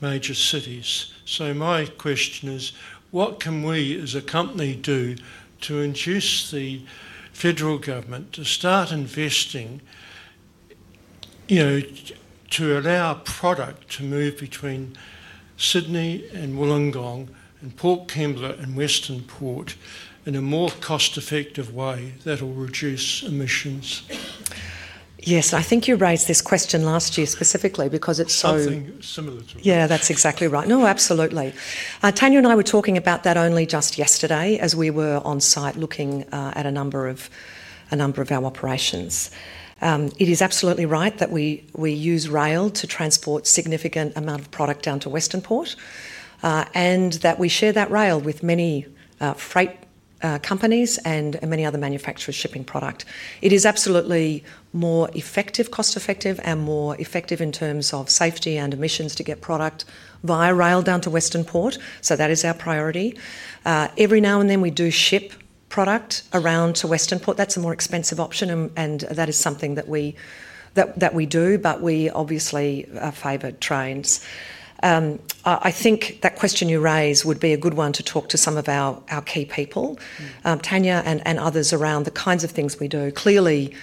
major cities. My question is, what can we as a company do to induce the federal government to start investing to allow product to move between Sydney and Wollongong and Port Kembla and Western Port in a more cost-effective way that will reduce emissions? Yes, I think you raised this question last year specifically because it's so— Something similar to it. Yeah, that's exactly right. No, absolutely. Tanya and I were talking about that only just yesterday as we were on site looking at a number of our operations. It is absolutely right that we use rail to transport a significant amount of product down to Western Port and that we share that rail with many freight companies and many other manufacturers shipping product. It is absolutely more effective, cost-effective, and more effective in terms of safety and emissions to get product via rail down to Western Port. That is our priority. Every now and then, we do ship product around to Western Port. That's a more expensive option, and that is something that we do, but we obviously favor trains. I think that question you raise would be a good one to talk to some of our key people, Tania and others, around the kinds of things we do. Clearly,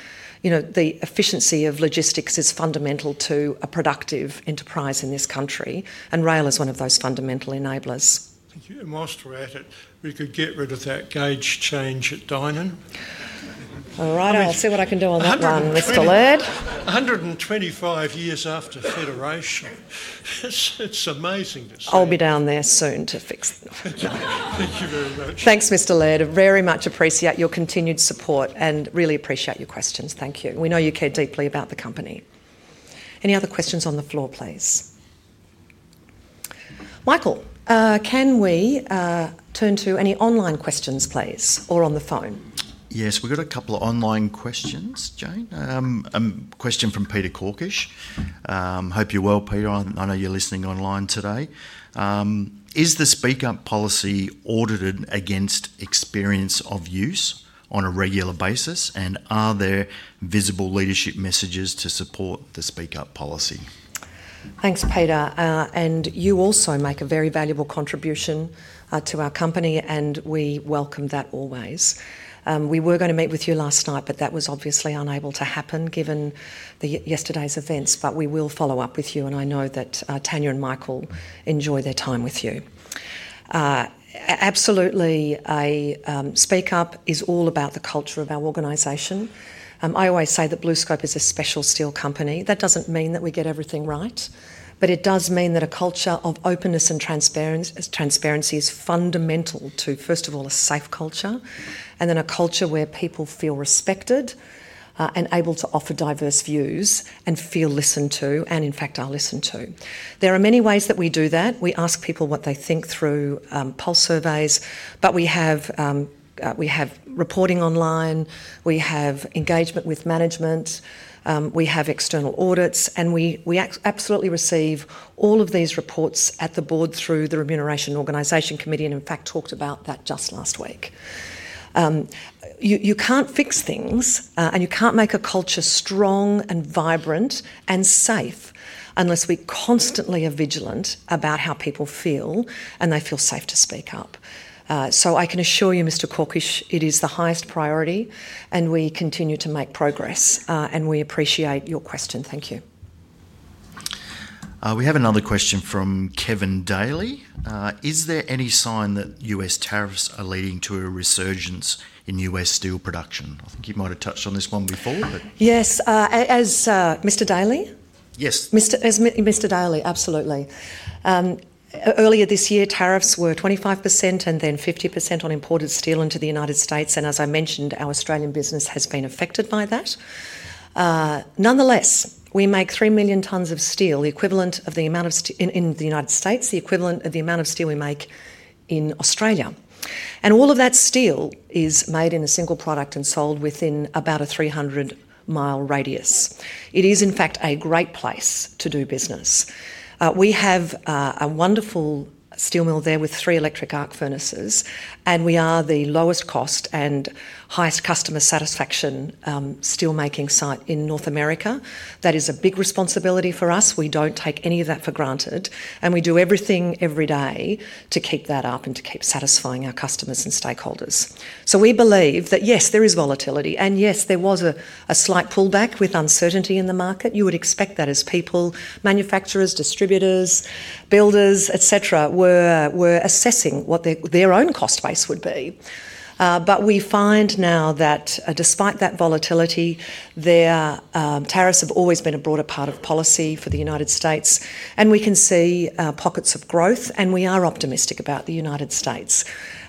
the efficiency of logistics is fundamental to a productive enterprise in this country, and rail is one of those fundamental enablers. Thank you. Whilst we're at it, we could get rid of that gauge change at Dinan. All right, I'll see what I can do on that one, Mr. Laird. 125 years after federation. It's amazing to see. I'll be down there soon to fix it. Thank you very much. Thanks, Mr. Laird. I very much appreciate your continued support and really appreciate your questions. Thank you. We know you care deeply about the company. Any other questions on the floor, please? Michael, can we turn to any online questions, please, or on the phone? Yes, we've got a couple of online questions, Jane. A question from Peter Corkish. Hope you're well, Peter. I know you're listening online today. Is the speak-up policy audited against experience of use on a regular basis, and are there visible leadership messages to support the speak-up policy? Thanks, Peter. You also make a very valuable contribution to our company, and we welcome that always. We were going to meet with you last night, but that was obviously unable to happen given yesterday's events. We will follow up with you, and I know that Tania and Michael enjoy their time with you. Absolutely, a speak-up is all about the culture of our organization. I always say that BlueScope is a special steel company. That does not mean that we get everything right, but it does mean that a culture of openness and transparency is fundamental to, first of all, a safe culture, and then a culture where people feel respected and able to offer diverse views and feel listened to, and in fact, are listened to. There are many ways that we do that. We ask people what they think through poll surveys, but we have reporting online, we have engagement with management, we have external audits, and we absolutely receive all of these reports at the Board through the Remuneration and Organisation Committee and, in fact, talked about that just last week. You can't fix things, and you can't make a culture strong and vibrant and safe unless we constantly are vigilant about how people feel and they feel safe to speak up. I can assure you, Mr. Corkish, it is the highest priority, and we continue to make progress, and we appreciate your question. Thank you. We have another question from Kevin Daley. Is there any sign that U.S. tariffs are leading to a resurgence in U.S. steel production? I think you might have touched on this one before, but— Yes, Mr. Daley? Yes. Mr. Daley, absolutely. Earlier this year, tariffs were 25% and then 50% on imported steel into the United States, and as I mentioned, our Australian business has been affected by that. Nonetheless, we make 3 million tons of steel, the equivalent of the amount of steel in the United States, the equivalent of the amount of steel we make in Australia. All of that steel is made in a single product and sold within about a 300 mi radius. It is, in fact, a great place to do business. We have a wonderful steel mill there with three electric arc furnaces, and we are the lowest cost and highest customer satisfaction steelmaking site in North America. That is a big responsibility for us. We do not take any of that for granted, and we do everything every day to keep that up and to keep satisfying our customers and stakeholders. We believe that, yes, there is volatility, and yes, there was a slight pullback with uncertainty in the market. You would expect that as people, manufacturers, distributors, builders, etc., were assessing what their own cost base would be. We find now that despite that volatility, tariffs have always been a broader part of policy for the U.S., and we can see pockets of growth, and we are optimistic about the U.S.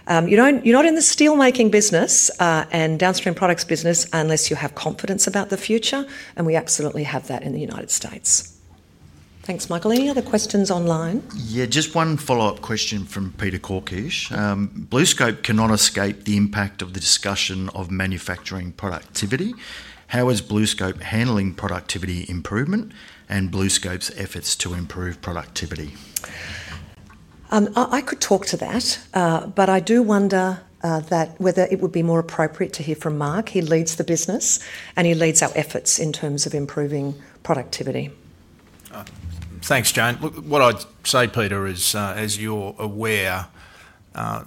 You're not in the steelmaking business and downstream products business unless you have confidence about the future, and we absolutely have that in the U.S. Thanks, Michael. Any other questions online? Yeah, just one follow-up question from Peter Corkish. BlueScope cannot escape the impact of the discussion of manufacturing productivity. How is BlueScope handling productivity improvement and BlueScope's efforts to improve productivity? I could talk to that, but I do wonder whether it would be more appropriate to hear from Mark. He leads the business, and he leads our efforts in terms of improving productivity. Thanks, Jane. Look, what I'd say, Peter, is, as you're aware, part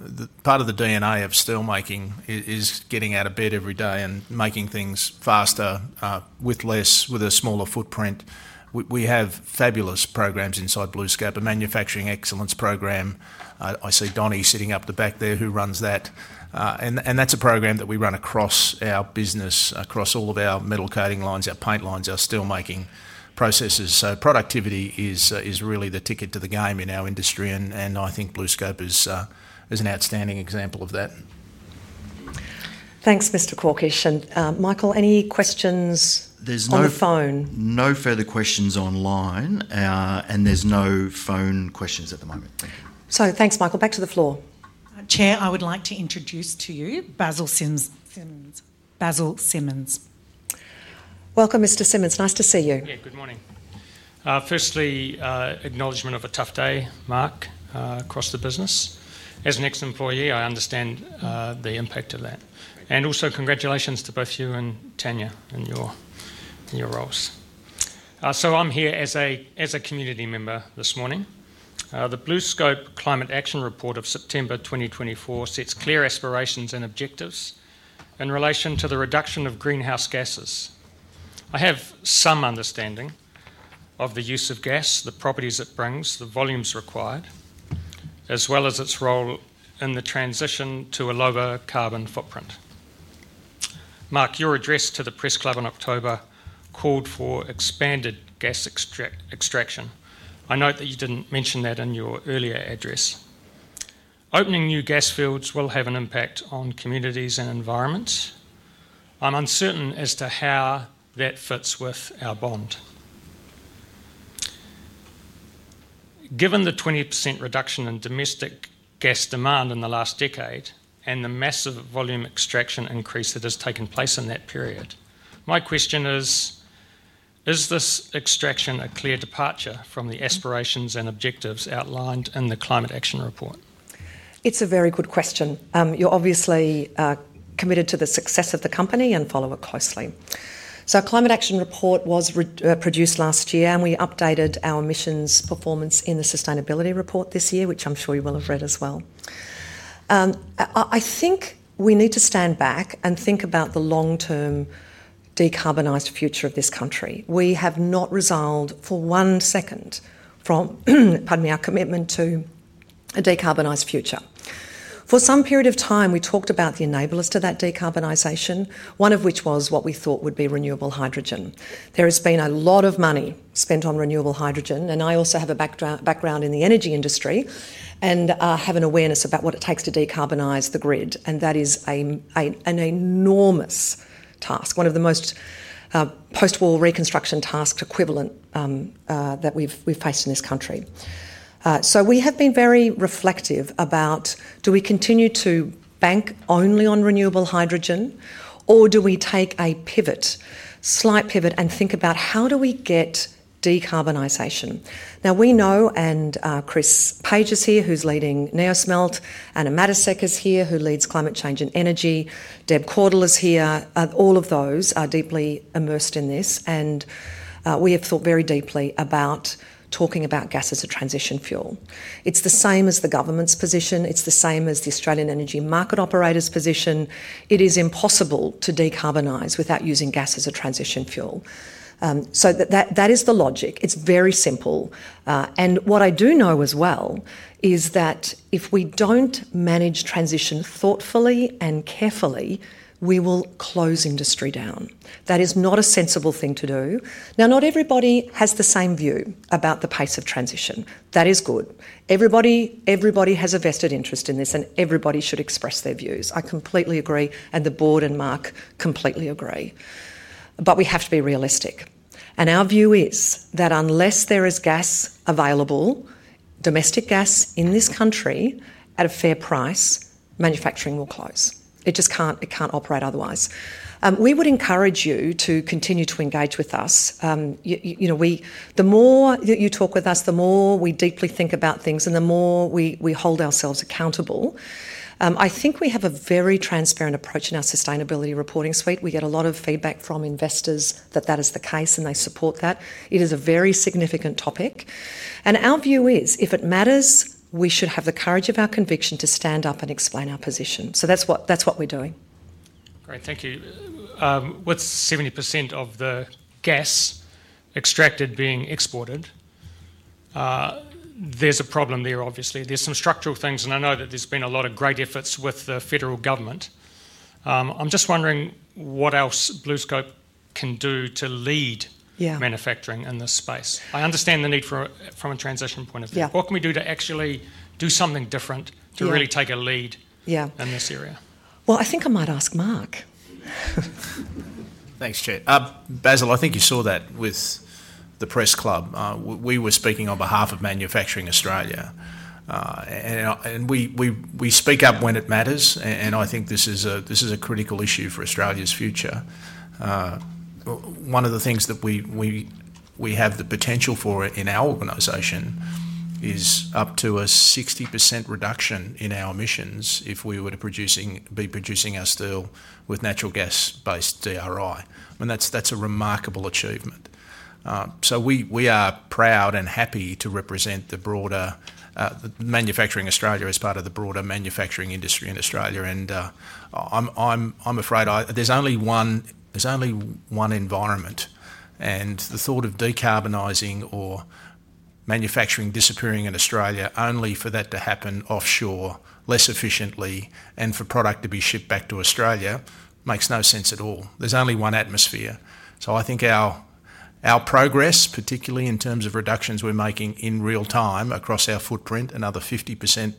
of the DNA of steelmaking is getting out of bed every day and making things faster with a smaller footprint. We have fabulous programs inside BlueScope: a manufacturing excellence program. I see Donnie sitting up the back there who runs that. And that's a program that we run across our business, across all of our metal coating lines, our paint lines, our steelmaking processes. Productivity is really the ticket to the game in our industry, and I think BlueScope is an outstanding example of that. Thanks, Mr. Corkish. Michael, any questions on the phone? No further questions online, and there's no phone questions at the moment. Thank you. Thanks, Michael. Back to the floor. Chair, I would like to introduce to you Basil Simmons. Welcome, Mr. Simmons. Nice to see you. Yeah, good morning. Firstly, acknowledgement of a tough day, Mark, across the business. As an ex-employee, I understand the impact of that. Also, congratulations to both you and Tania in your roles. I am here as a Community Member this morning. The BlueScope Climate Action Report of September 2024 sets clear aspirations and objectives in relation to the reduction of greenhouse gases. I have some understanding of the use of gas, the properties it brings, the volumes required, as well as its role in the transition to a lower carbon footprint. Mark, your address to the press club in October called for expanded gas extraction. I note that you did not mention that in your earlier address. Opening new gas fields will have an impact on communities and environments. I am uncertain as to how that fits with our bond. Given the 20% reduction in domestic gas demand in the last decade and the massive volume extraction increase that has taken place in that period, my question is, is this extraction a clear departure from the aspirations and objectives outlined in the Climate Action Report? It's a very good question. You're obviously committed to the success of the company and follow it closely. Our Climate Action Report was produced last year, and we updated our emissions performance in the Sustainability Report this year, which I'm sure you will have read as well. I think we need to stand back and think about the long-term decarbonized future of this country. We have not resolved for one second from, pardon me, our commitment to a decarbonized future. For some period of time, we talked about the enablers to that decarbonization, one of which was what we thought would be renewable hydrogen. There has been a lot of money spent on renewable hydrogen, and I also have a background in the energy industry and have an awareness about what it takes to decarbonize the grid, and that is an enormous task, one of the most post-war reconstruction tasks equivalent that we've faced in this country. We have been very reflective about, do we continue to bank only on renewable hydrogen, or do we take a pivot, slight pivot, and think about how do we get decarbonization? Now, we know, and Chris Page is here, who's leading NeoSmelt; Anna Matysek is here, who leads Climate Change and Energy; Deb Caudle is here. All of those are deeply immersed in this, and we have thought very deeply about talking about gas as a transition fuel. It's the same as the government's position. It's the same as the Australian Energy Market Operator's position. It is impossible to decarbonize without using gas as a transition fuel. That is the logic. It's very simple. What I do know as well is that if we do not manage transition thoughtfully and carefully, we will close industry down. That is not a sensible thing to do. Not everybody has the same view about the pace of transition. That is good. Everybody has a vested interest in this, and everybody should express their views. I completely agree, and the Board and Mark completely agree. We have to be realistic. Our view is that unless there is gas available, domestic gas in this country at a fair price, manufacturing will close. It cannot operate otherwise. We would encourage you to continue to engage with us. The more that you talk with us, the more we deeply think about things, and the more we hold ourselves accountable. I think we have a very transparent approach in our sustainability reporting suite. We get a lot of feedback from investors that that is the case, and they support that. It is a very significant topic. Our view is, if it matters, we should have the courage of our conviction to stand up and explain our position. That is what we are doing. Great. Thank you. With 70% of the gas extracted being exported, there's a problem there, obviously. There are some structural things, and I know that there have been a lot of great efforts with the federal government. I'm just wondering what else BlueScope can do to lead manufacturing in this space. I understand the need from a transition point of view. What can we do to actually do something different to really take a lead in this area? I think I might ask Mark. Thanks, Jay. Basil, I think you saw that with the press club. We were speaking on behalf of Manufacturing Australia, and we speak up when it matters, and I think this is a critical issue for Australia's future. One of the things that we have the potential for in our organization is up to a 60% reduction in our emissions if we were to be producing our steel with natural gas-based DRI. I mean, that's a remarkable achievement. We are proud and happy to represent the broader Manufacturing Australia as part of the broader manufacturing industry in Australia, and I'm afraid there's only one environment, and the thought of decarbonizing or manufacturing disappearing in Australia, only for that to happen offshore, less efficiently, and for product to be shipped back to Australia, makes no sense at all. There's only one atmosphere. I think our progress, particularly in terms of reductions we're making in real time across our footprint and our 50%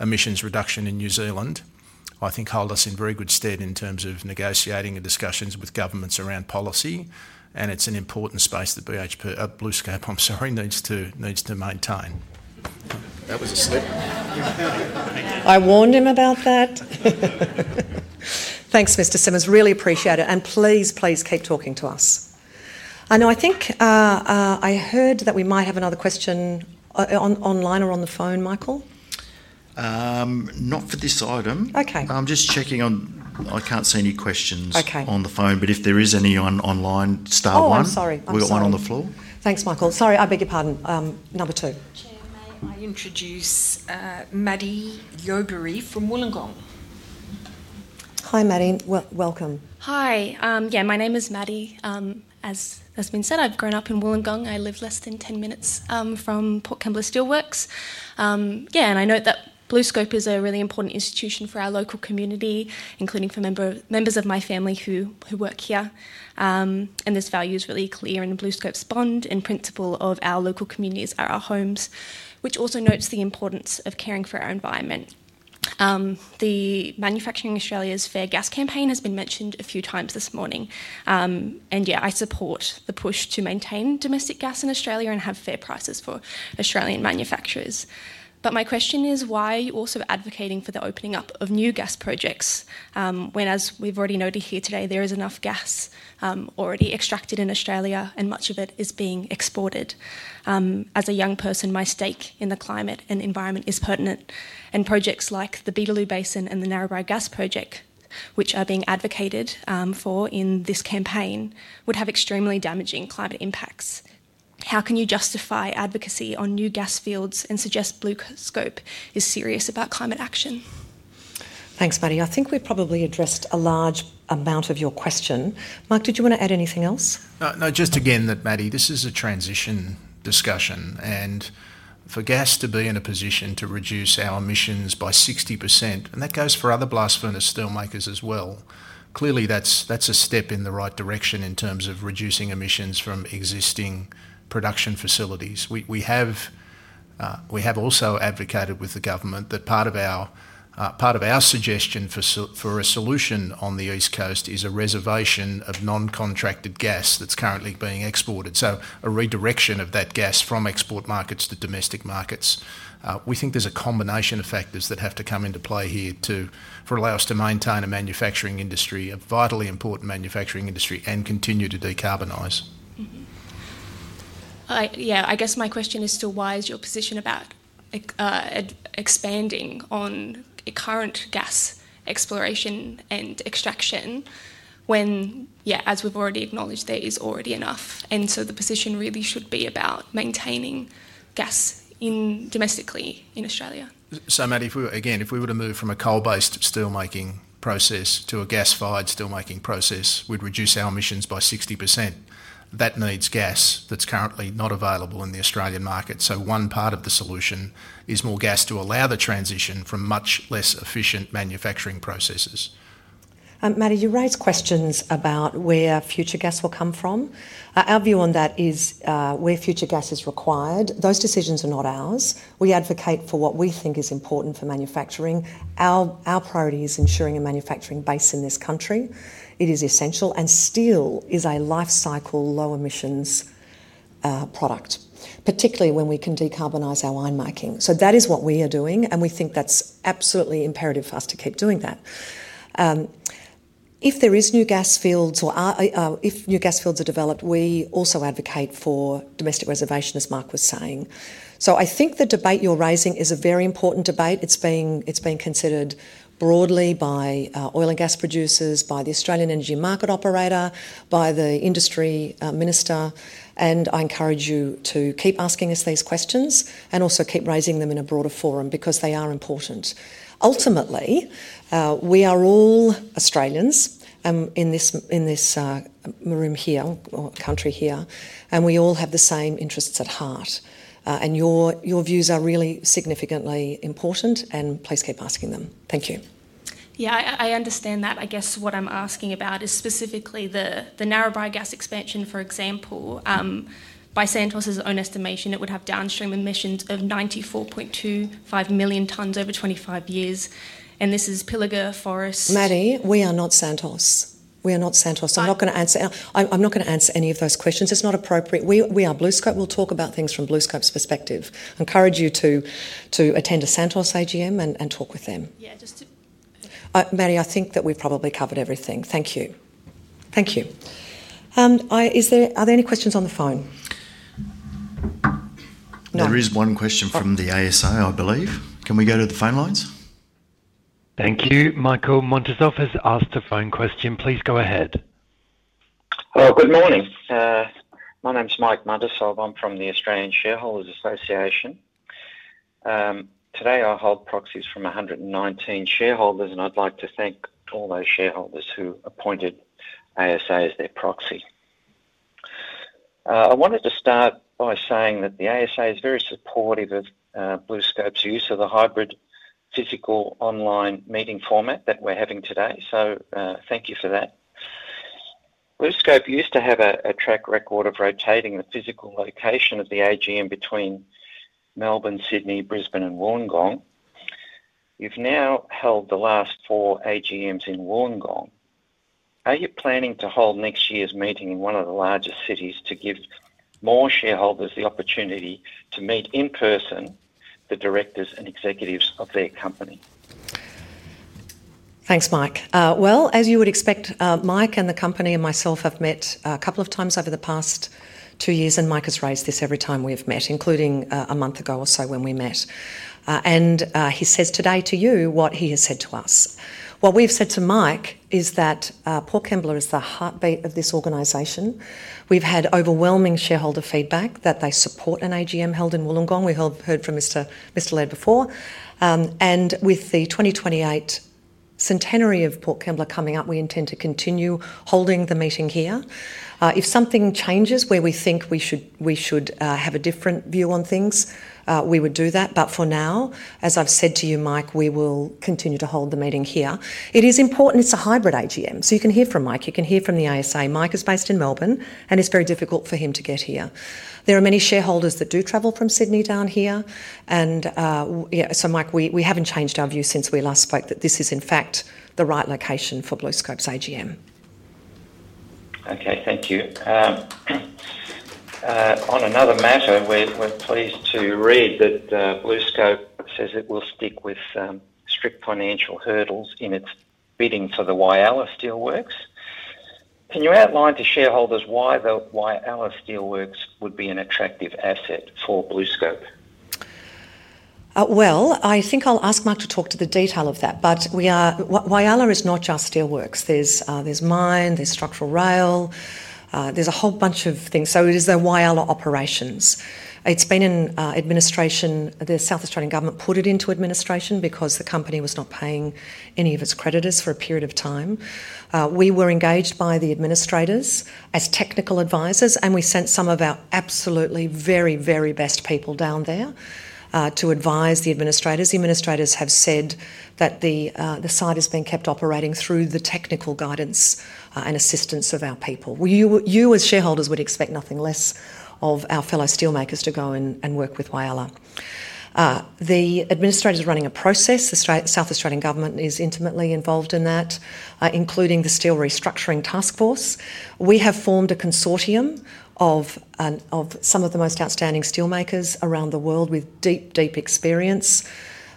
emissions reduction in New Zealand, I think holds us in very good stead in terms of negotiating and discussions with governments around policy, and it's an important space that BlueScope needs to maintain. That was a slip. I warned him about that. Thanks, Mr. Simmons. Really appreciate it. Please, please keep talking to us. I think I heard that we might have another question online or on the phone, Michael? Not for this item. I'm just checking on, I can't see any questions on the phone, but if there is any online, start one. Oh, I'm sorry. We've got one on the floor. Thanks, Michael. Sorry, I beg your pardon. Number two. Chair, may I introduce Maddie Yobury from Wollongong? Hi, Maddie. Welcome. Hi. Yeah, my name is Maddie. As has been said, I've grown up in Wollongong. I live less than 10 minutes from Port Kembla Steelworks. Yeah, and I note that BlueScope is a really important institution for our local community, including for members of my family who work here. And this value is really clear, and BlueScope's bond and principle of our local communities are our homes, which also notes the importance of caring for our environment. The Manufacturing Australia's Fair Gas Campaign has been mentioned a few times this morning. Yeah, I support the push to maintain domestic gas in Australia and have fair prices for Australian manufacturers. My question is, why are you also advocating for the opening up of new gas projects when, as we've already noted here today, there is enough gas already extracted in Australia and much of it is being exported? As a young person, my stake in the climate and environment is pertinent, and projects like the Beetaloo Basin and the Narrabri Gas Project, which are being advocated for in this campaign, would have extremely damaging climate impacts. How can you justify advocacy on new gas fields and suggest BlueScope is serious about climate action? Thanks, Maddie. I think we've probably addressed a large amount of your question. Mark, did you want to add anything else? No, just again that, Maddie, this is a transition discussion, and for gas to be in a position to reduce our emissions by 60%, and that goes for other blast furnace steelmakers as well, clearly that's a step in the right direction in terms of reducing emissions from existing production facilities. We have also advocated with the government that part of our suggestion for a solution on the East Coast is a reservation of non-contracted gas that's currently being exported. A redirection of that gas from export markets to domestic markets. We think there's a combination of factors that have to come into play here to allow us to maintain a manufacturing industry, a vitally important manufacturing industry, and continue to decarbonize. Yeah, I guess my question is to why is your position about expanding on current gas exploration and extraction when, yeah, as we've already acknowledged, there is already enough? The position really should be about maintaining gas domestically in Australia. Maddie, again, if we were to move from a coal-based steelmaking process to a gas-fired steelmaking process, we'd reduce our emissions by 60%. That needs gas that's currently not available in the Australian market. One part of the solution is more gas to allow the transition from much less efficient manufacturing processes. Maddie, you raised questions about where future gas will come from. Our view on that is where future gas is required. Those decisions are not ours. We advocate for what we think is important for manufacturing. Our priority is ensuring a manufacturing base in this country. It is essential and still is a life cycle low emissions product, particularly when we can decarbonize our winemaking. That is what we are doing, and we think that's absolutely imperative for us to keep doing that. If there are new gas fields or if new gas fields are developed, we also advocate for domestic reservation, as Mark was saying. I think the debate you're raising is a very important debate. It's being considered broadly by oil and gas producers, by the Australian energy market operator, by the industry minister, and I encourage you to keep asking us these questions and also keep raising them in a broader forum because they are important. Ultimately, we are all Australians in this room here or country here, and we all have the same interests at heart, and your views are really significantly important, and please keep asking them. Thank you. Yeah, I understand that. I guess what I'm asking about is specifically the Narrabri gas expansion, for example. By Santos' own estimation, it would have downstream emissions of 94.25 million tons over 25 years, and this is Pilliga Forest. Maddie, we are not Santos. We are not Santos. I'm not going to answer any of those questions. It's not appropriate. We are BlueScope. We'll talk about things from BlueScope's perspective. I encourage you to attend a Santos AGM and talk with them. Yeah, just to. Maddie, I think that we've probably covered everything. Thank you. Thank you. Are there any questions on the phone? There is one question from the ASA, I believe. Can we go to the phone lines? Thank you. Mike Montasov has asked a phone question. Please go ahead. Hello. Good morning. My name's Mike Muntisov. I'm from the Australian Shareholders Association. Today, I hold proxies from 119 shareholders, and I'd like to thank all those shareholders who appointed ASA as their proxy. I wanted to start by saying that the ASA is very supportive of BlueScope's use of the hybrid physical online meeting format that we're having today. Thank you for that. BlueScope used to have a track record of rotating the physical location of the AGM between Melbourne, Sydney, Brisbane, and Wollongong. You've now held the last four AGMs in Wollongong. Are you planning to hold next year's meeting in one of the largest cities to give more shareholders the opportunity to meet in person the Directors and Executives of their company? Thanks, Mike. As you would expect, Mike and the company and myself have met a couple of times over the past two years, and Mike has raised this every time we've met, including a month ago or so when we met. He says today to you what he has said to us. What we've said to Mike is that Port Kembla is the heartbeat of this organization. We've had overwhelming shareholder feedback that they support an AGM held in Wollongong. We heard from Mr. Laird before. With the 2028 centenary of Port Kembla coming up, we intend to continue holding the meeting here. If something changes where we think we should have a different view on things, we would do that. For now, as I've said to you, Mike, we will continue to hold the meeting here. It is important. It's a hybrid AGM, so you can hear from Mike. You can hear from the ASX. Mike is based in Melbourne, and it's very difficult for him to get here. There are many shareholders that do travel from Sydney down here. Mike, we haven't changed our view since we last spoke that this is, in fact, the right location for BlueScope's AGM. Okay. Thank you. On another matter, we're pleased to read that BlueScope says it will stick with strict financial hurdles in its bidding for the Whyalla Steelworks. Can you outline to shareholders why the Whyalla Steelworks would be an attractive asset for BlueScope? I think I'll ask Mark to talk to the detail of that, but Whyalla is not just steelworks. There's mine, there's structural rail, there's a whole bunch of things. It is the Whyalla operations. It's been in administration. The South Australian government put it into administration because the company was not paying any of its creditors for a period of time. We were engaged by the administrators as technical advisors, and we sent some of our absolutely very, very best people down there to advise the administrators. The administrators have said that the site has been kept operating through the technical guidance and assistance of our people. You, as shareholders, would expect nothing less of our fellow steelmakers to go and work with Whyalla. The administrators are running a process. The South Australian government is intimately involved in that, including the Steel Restructuring Task Force. We have formed a consortium of some of the most outstanding steelmakers around the world with deep, deep experience,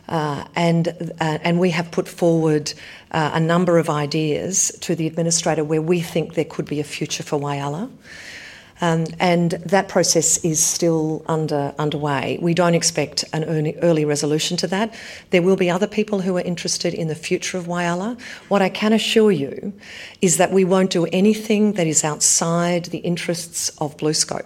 and we have put forward a number of ideas to the administrator where we think there could be a future for Whyalla. That process is still underway. We do not expect an early resolution to that. There will be other people who are interested in the future of Whyalla. What I can assure you is that we will not do anything that is outside the interests of BlueScope.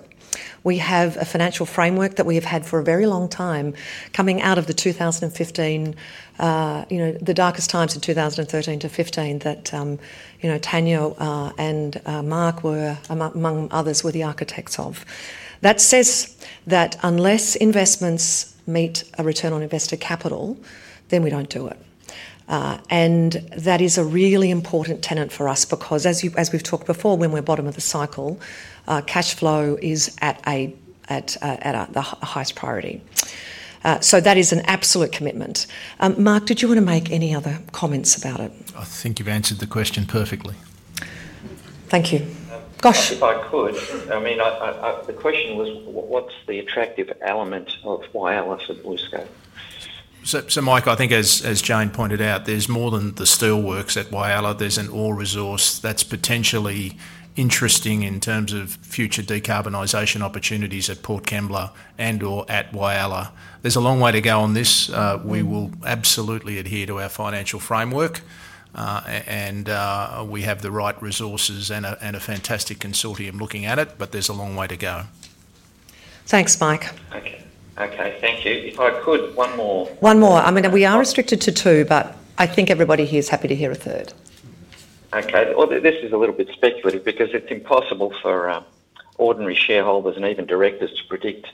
We have a financial framework that we have had for a very long time coming out of 2015, the darkest times in 2013 to 2015 that Tania and Mark were, among others, the architects of. That says that unless investments meet a return on invested capital, then we do not do it. That is a really important tenet for us because, as we've talked before, when we're bottom of the cycle, cash flow is at the highest priority. That is an absolute commitment. Mark, did you want to make any other comments about it? I think you've answered the question perfectly. Thank you. Gosh. If I could, I mean, the question was, what's the attractive element of Whyalla for BlueScope? Mike, I think, as Jane pointed out, there's more than the steelworks at Whyalla. There's an ore resource that's potentially interesting in terms of future decarbonization opportunities at Port Kembla and/or at Whyalla. There's a long way to go on this. We will absolutely adhere to our financial framework, and we have the right resources and a fantastic consortium looking at it, but there's a long way to go. Thanks, Mike. Okay. Okay. Thank you. If I could, one more. One more. I mean, we are restricted to two, but I think everybody here is happy to hear a third. Okay. This is a little bit speculative because it's impossible for ordinary shareholders and even Directors to predict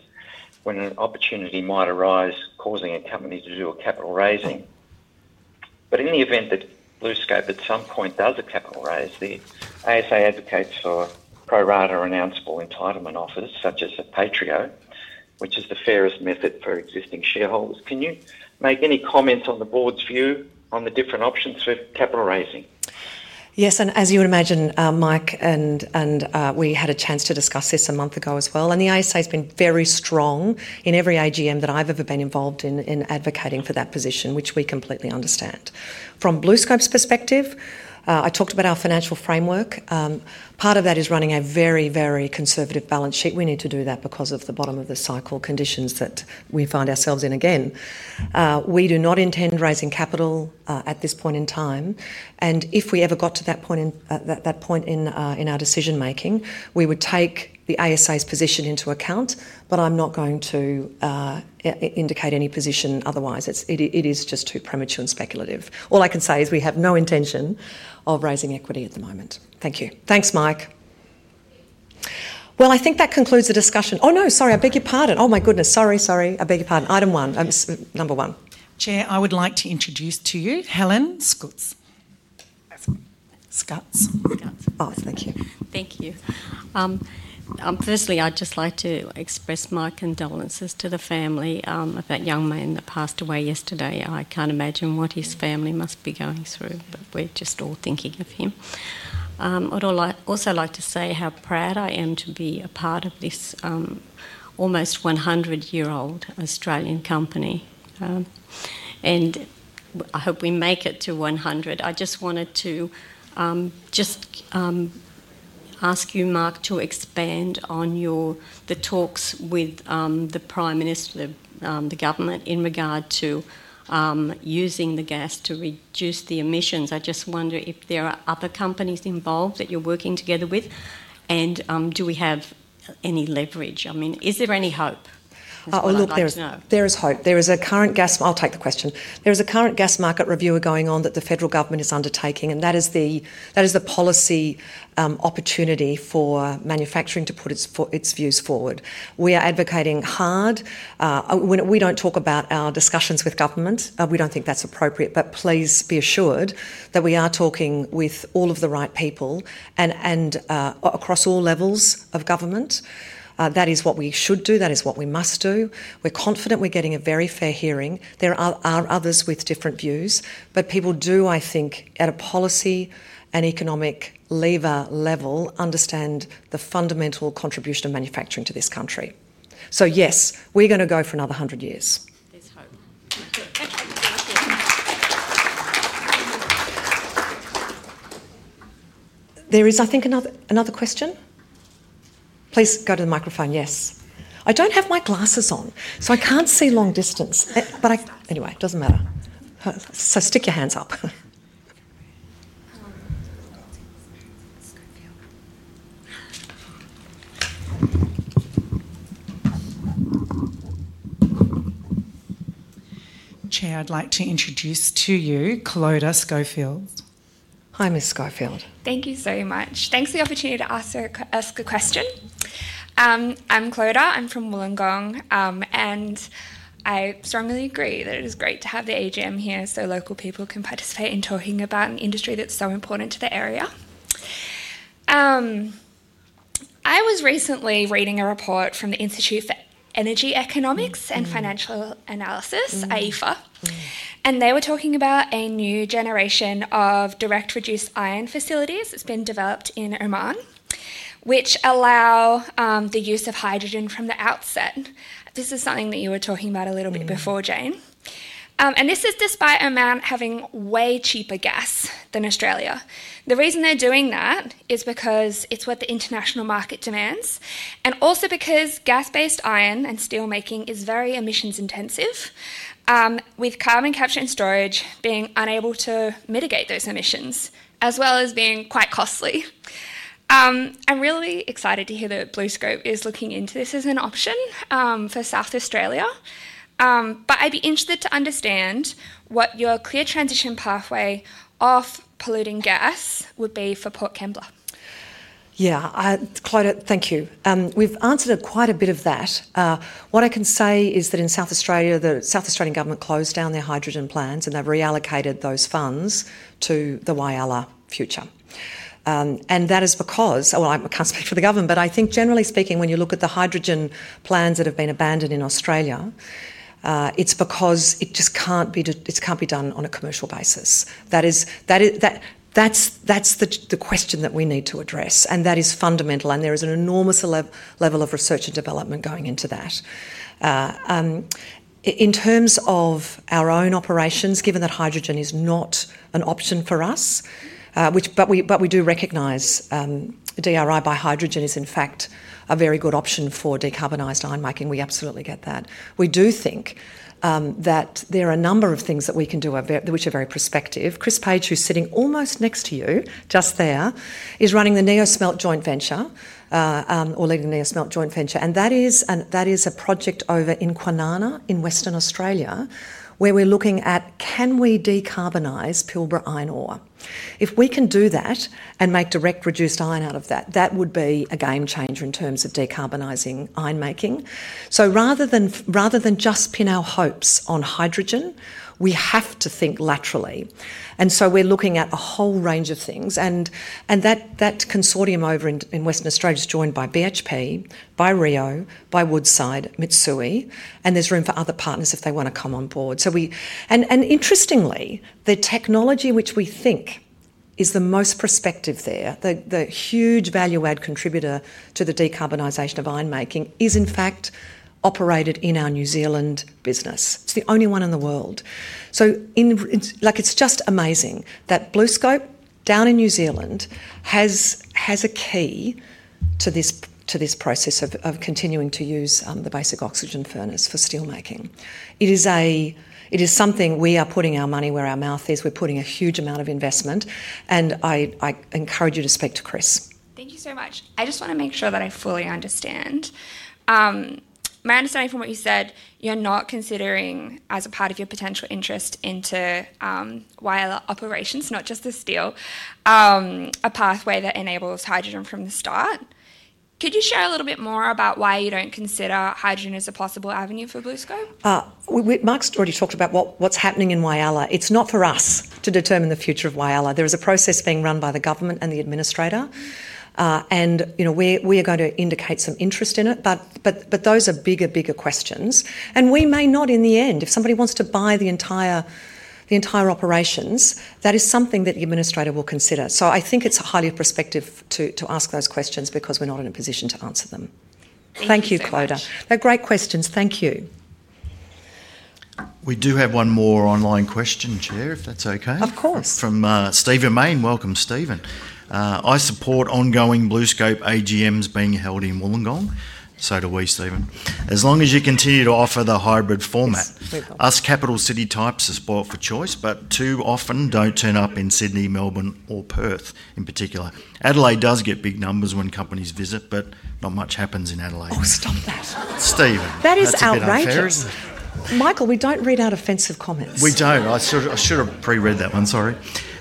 when an opportunity might arise causing a company to do a capital raising. In the event that BlueScope at some point does a capital raise, the ASA advocates for pro-rata announceable entitlement offers such as a Patrio, which is the fairest method for existing shareholders. Can you make any comments on the board's view on the different options for capital raising? Yes. As you would imagine, Mike, we had a chance to discuss this a month ago as well. The ASA has been very strong in every AGM that I have ever been involved in advocating for that position, which we completely understand. From BlueScope's perspective, I talked about our financial framework. Part of that is running a very, very conservative balance sheet. We need to do that because of the bottom of the cycle conditions that we find ourselves in again. We do not intend raising capital at this point in time. If we ever got to that point in our decision-making, we would take the ASA's position into account, but I am not going to indicate any position otherwise. It is just too premature and speculative. All I can say is we have no intention of raising equity at the moment. Thank you. Thanks, Mike. I think that concludes the discussion. Oh, no. Sorry. I beg your pardon. Oh, my goodness. Sorry, sorry. I beg your pardon. Item one, number one. Chair, I would like to introduce to you Helen Scutts. Scutts. Oh, thank you. Thank you. Firstly, I'd just like to express my condolences to the family of that young man that passed away yesterday. I can't imagine what his family must be going through, but we're just all thinking of him. I'd also like to say how proud I am to be a part of this almost 100-year-old Australian company, and I hope we make it to 100. I just wanted to ask you, Mark, to expand on the talks with the Prime Minister, the government, in regard to using the gas to reduce the emissions. I just wonder if there are other companies involved that you're working together with, and do we have any leverage? I mean, is there any hope? Oh, look, there is hope. There is a current gas—I'll take the question. There is a current gas market review going on that the federal government is undertaking, and that is the policy opportunity for manufacturing to put its views forward. We are advocating hard. We don't talk about our discussions with government. We don't think that's appropriate, but please be assured that we are talking with all of the right people across all levels of government. That is what we should do. That is what we must do. We're confident we're getting a very fair hearing. There are others with different views, but people do, I think, at a policy and economic lever level, understand the fundamental contribution of manufacturing to this country. Yes, we're going to go for another 100 years. There's hope. There is, I think, another question. Please go to the microphone. Yes. I do not have my glasses on, so I cannot see long distance, but anyway, it does not matter. Stick your hands up. Hello. This is Klaudra Scofield. Chair, I'd like to introduce to you Klaudra Scofield. Hi, Ms. Scofield. Thank you so much. Thanks for the opportunity to ask a question. I'm Klaudra. I'm from Wollongong, and I strongly agree that it is great to have the AGM here so local people can participate in talking about an industry that's so important to the area. I was recently reading a report from the Institute for Energy Economics and Financial Analysis, IEFA, and they were talking about a new generation of direct-reduced iron facilities that's been developed in Oman, which allow the use of hydrogen from the outset. This is something that you were talking about a little bit before, Jane. This is despite Oman having way cheaper gas than Australia. The reason they're doing that is because it's what the international market demands and also because gas-based iron and steelmaking is very emissions-intensive, with carbon capture and storage being unable to mitigate those emissions as well as being quite costly. I'm really excited to hear that BlueScope is looking into this as an option for South Australia, but I'd be interested to understand what your clear transition pathway of polluting gas would be for Port Kembla. Yeah. Klaudra, thank you. We've answered quite a bit of that. What I can say is that in South Australia, the South Australian government closed down their hydrogen plans, and they've reallocated those funds to the Whyalla future. That is because, I can't speak for the government, but I think, generally speaking, when you look at the hydrogen plans that have been abandoned in Australia, it's because it just can't be done on a commercial basis. That's the question that we need to address, and that is fundamental, and there is an enormous level of research and development going into that. In terms of our own operations, given that hydrogen is not an option for us, but we do recognize DRI by hydrogen is, in fact, a very good option for decarbonized iron making. We absolutely get that. We do think that there are a number of things that we can do which are very prospective. Chris Page, who's sitting almost next to you just there, is running the NeoSmelt Joint Venture or leading the NeoSmelt Joint Venture, and that is a project over in Kwinana in Western Australia where we're looking at, can we decarbonize Pilbara iron ore? If we can do that and make direct-reduced iron out of that, that would be a game changer in terms of decarbonizing iron mining. Rather than just pin our hopes on hydrogen, we have to think laterally. We are looking at a whole range of things. That consortium over in Western Australia is joined by BHP, by Rio, by Woodside, Mitsui, and there's room for other partners if they want to come on board. Interestingly, the technology which we think is the most prospective there, the huge value-add contributor to the decarbonization of iron mining, is, in fact, operated in our New Zealand business. It's the only one in the world. It's just amazing that BlueScope down in New Zealand has a key to this process of continuing to use the basic oxygen furnace for steel mining. It is something we are putting our money where our mouth is. We're putting a huge amount of investment, and I encourage you to speak to Chris. Thank you so much. I just want to make sure that I fully understand. My understanding from what you said, you're not considering, as a part of your potential interest into Whyalla operations, not just the steel, a pathway that enables hydrogen from the start. Could you share a little bit more about why you don't consider hydrogen as a possible avenue for BlueScope? Mark's already talked about what's happening in Whyalla. It's not for us to determine the future of Whyalla. There is a process being run by the government and the administrator, and we are going to indicate some interest in it, but those are bigger, bigger questions. We may not, in the end, if somebody wants to buy the entire operations, that is something that the administrator will consider. I think it's highly prospective to ask those questions because we're not in a position to answer them. Thank you. Thank you, Klaudra. They're great questions. Thank you. We do have one more online question, Chair, if that's okay. Of course. From Steven Main. Welcome, Steven. I support ongoing BlueScope AGMs being held in Wollongong, so do we, Steven. As long as you continue to offer the hybrid format. Us capital city types are spoilt for choice, but too often do not turn up in Sydney, Melbourne, or Perth in particular. Adelaide does get big numbers when companies visit, but not much happens in Adelaide. Oh, stop that. Steven. That is outrageous. Michael, we do not read out offensive comments. We don't. I should have pre-read that one. Sorry.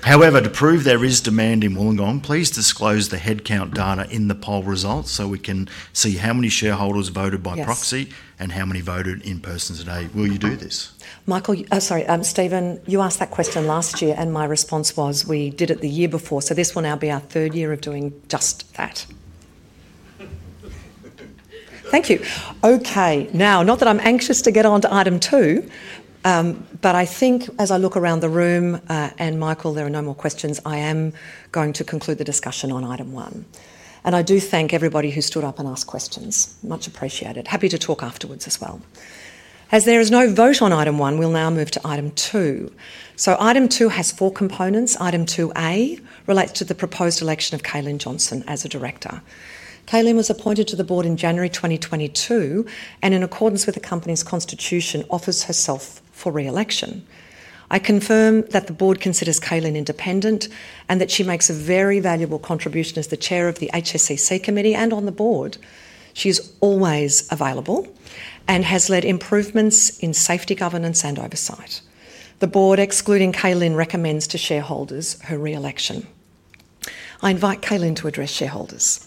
However, to prove there is demand in Wollongong, please disclose the headcount data in the poll results so we can see how many shareholders voted by proxy and how many voted in person today. Will you do this? Michael, sorry. Steven, you asked that question last year, and my response was we did it the year before. This will now be our third year of doing just that. Thank you. Okay. Not that I'm anxious to get on to item two, but I think, as I look around the room, and Michael, there are no more questions, I am going to conclude the discussion on item one. I do thank everybody who stood up and asked questions. Much appreciated. Happy to talk afterwards as well. As there is no vote on item one, we'll now move to item two. Item two has four components. Item two A relates to the proposed election of K'Lynne Johnson as a Director. K'Lynne was appointed to the Board in January 2022, and in accordance with the company's constitution, offers herself for re-election. I confirm that the Board considers K'Lynne independent and that she makes a very valuable contribution as the Chair of the HSEC Committee and on the Board. She is always available and has led improvements in safety governance and oversight. The Board, excluding K'Lynne, recommends to shareholders her re-election. I invite K'Lynne to address shareholders.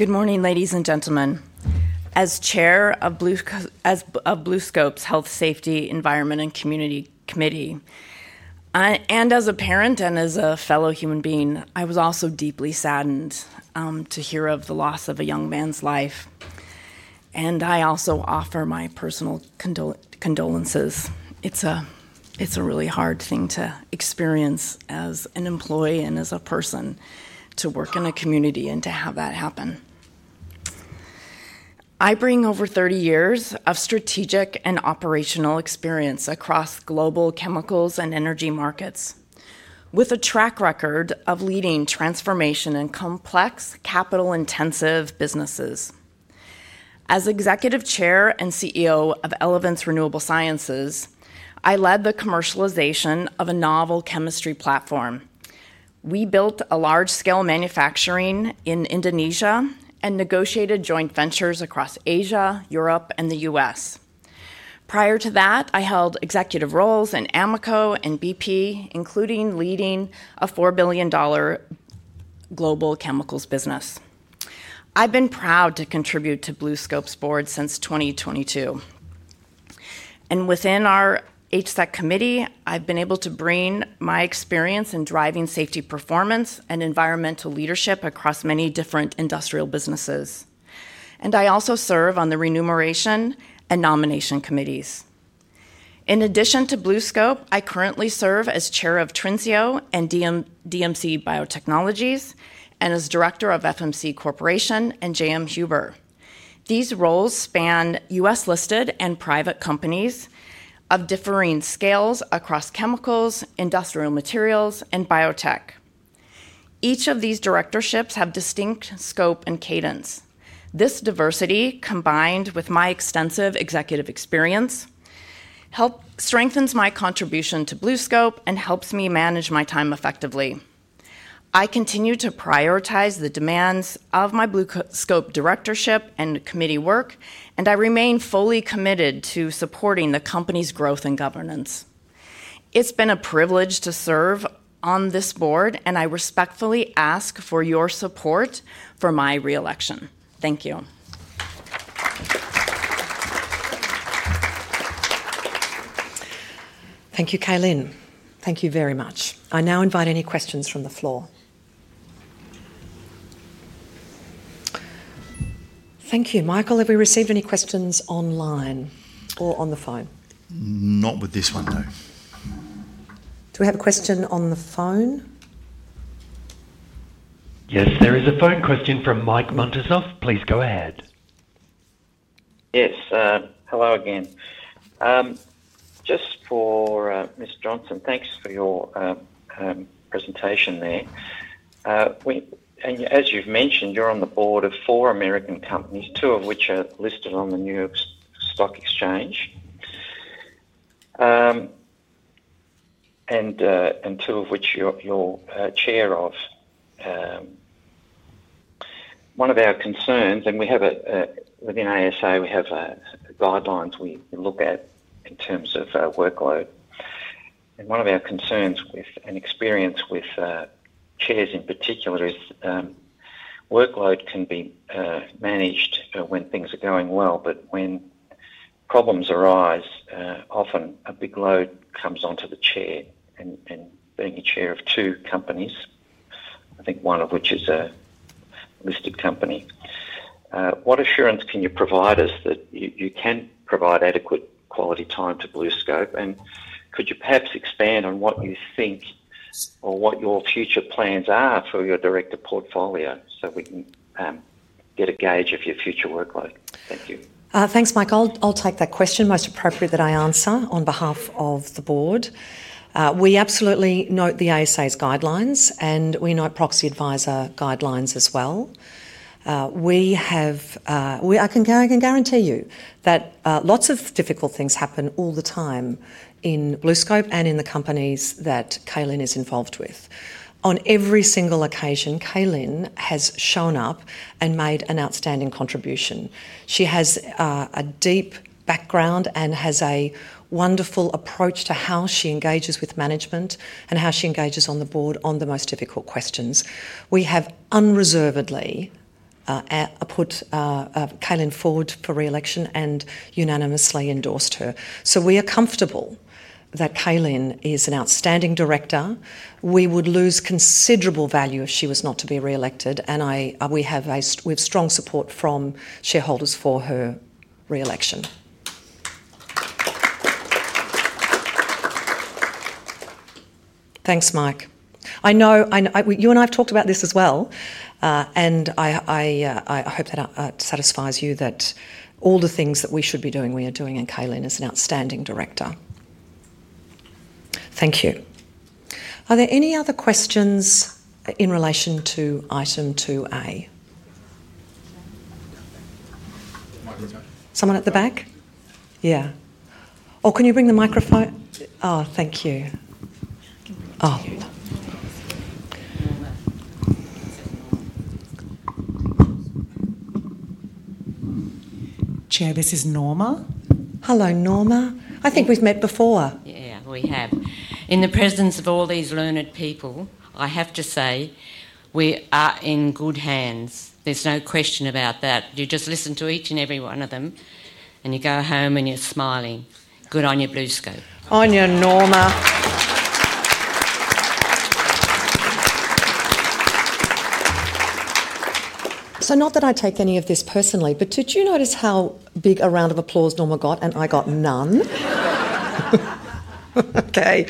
Good morning, ladies and gentlemen. As Chair of BlueScope's Health, Safety, Environment, and Community Committee, and as a parent and as a fellow human being, I was also deeply saddened to hear of the loss of a young man's life. I also offer my personal condolences. It's a really hard thing to experience as an employee and as a person to work in a community and to have that happen. I bring over 30 years of strategic and operational experience across global chemicals and energy markets with a track record of leading transformation and complex capital-intensive businesses. As Executive Chair and CEO of Renewable Sciences, I led the commercialization of a novel chemistry platform. We built a large-scale manufacturing in Indonesia and negotiated joint ventures across Asia, Europe, and the U.S. Prior to that, I held executive roles in AMOCO and BP, including leading a $4 billion global chemicals business. I've been proud to contribute to BlueScope's Board since 2022. Within our HSEC committee, I've been able to bring my experience in driving safety performance and environmental leadership across many different industrial businesses. I also serve on the remuneration and nomination committees. In addition to BlueScope, I currently serve as Chair of Trinseo and DMC Biotechnologies and as director of FMC Corporation and J.M. Huber. These roles span U.S.-listed and private companies of differing scales across chemicals, industrial materials, and biotech. Each of these directorships have distinct scope and cadence. This diversity, combined with my extensive Executive experience, strengthens my contribution to BlueScope and helps me manage my time effectively. I continue to prioritize the demands of my BlueScope directorship and committee work, and I remain fully committed to supporting the company's growth and governance. It's been a privilege to serve on this Board, and I respectfully ask for your support for my re-election. Thank you. Thank you, K'Lynne. Thank you very much. I now invite any questions from the floor. Thank you. Michael, have we received any questions online or on the phone? Not with this one, though. Do we have a question on the phone? Yes, there is a phone question from Mike Muntisov. Please go ahead. Yes. Hello again. Just for Ms. Johnson, thanks for your presentation there. As you've mentioned, you're on the board of four American companies, two of which are listed on the New York Stock Exchange and two of which you're Chair of. One of our concerns, and within ASA, we have guidelines we look at in terms of workload. One of our concerns and experience with chairs in particular is workload can be managed when things are going well, but when problems arise, often a big load comes onto the Chair and being a Chair of two companies, I think one of which is a listed company. What assurance can you provide us that you can provide adequate quality time to BlueScope? Could you perhaps expand on what you think or what your future plans are for your Director portfolio so we can get a gauge of your future workload? Thank you. Thanks, Michael. I'll take that question, most appropriate that I answer on behalf of the Board. We absolutely note the ASA's guidelines, and we note Proxy Advisor guidelines as well. I can guarantee you that lots of difficult things happen all the time in BlueScope and in the companies that K'Lynne is involved with. On every single occasion, K'Lynne has shown up and made an outstanding contribution. She has a deep background and has a wonderful approach to how she engages with management and how she engages on the board on the most difficult questions. We have unreservedly put K'Lynne forward for re-election and unanimously endorsed her. We are comfortable that K'Lynne is an outstanding Director. We would lose considerable value if she was not to be re-elected, and we have strong support from shareholders for her re-election. Thanks, Mike. I know you and I have talked about this as well, and I hope that satisfies you that all the things that we should be doing, we are doing, and K'Lynne is an outstanding director. Thank you. Are there any other questions in relation to item two A? Someone at the back? Yeah. Oh, can you bring the microphone? Oh, thank you. Oh. Chair, this is Norma. Hello, Norma. I think we've met before. Yeah, we have. In the presence of all these learned people, I have to say we are in good hands. There's no question about that. You just listen to each and every one of them, and you go home and you're smiling. Good on you, BlueScope. On you, Norma. Not that I take any of this personally, but did you notice how big a round of applause Norma got and I got none? Okay.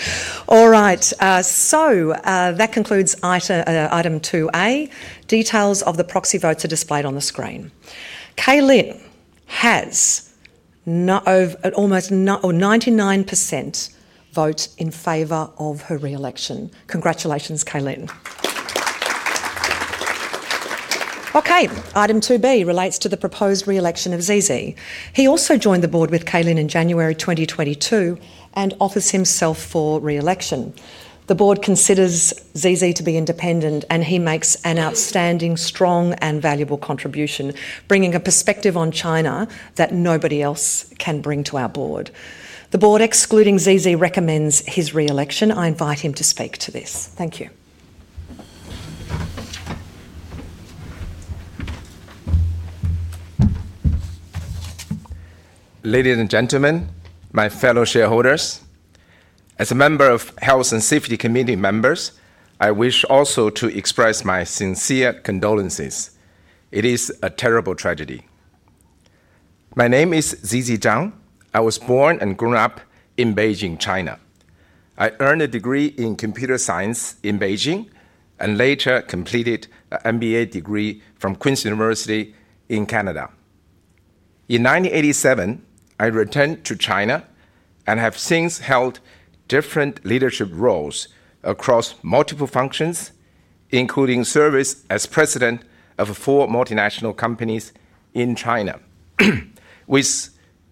All right. That concludes item two A. Details of the proxy votes are displayed on the screen. K'Lynne has almost 99% vote in favor of her re-election. Congratulations, K'Lynne. Okay. Item two B relates to the proposed re-election of ZZ. He also joined the Board with K'Lynne in January 2022 and offers himself for re-election. The Board considers ZZ to be independent, and he makes an outstanding, strong, and valuable contribution, bringing a perspective on China that nobody else can bring to our Board. The Board, excluding ZZ, recommends his re-election. I invite him to speak to this. Thank you. Ladies and gentlemen, my fellow shareholders, as a member of Health and Safety Committee members, I wish also to express my sincere condolences. It is a terrible tragedy. My name is ZZ Zhang. I was born and grown up in Beijing, China. I earned a degree in computer science in Beijing and later completed an MBA degree from Queen's University in Canada. In 1987, I returned to China and have since held different leadership roles across multiple functions, including service as President of four multinational companies in China with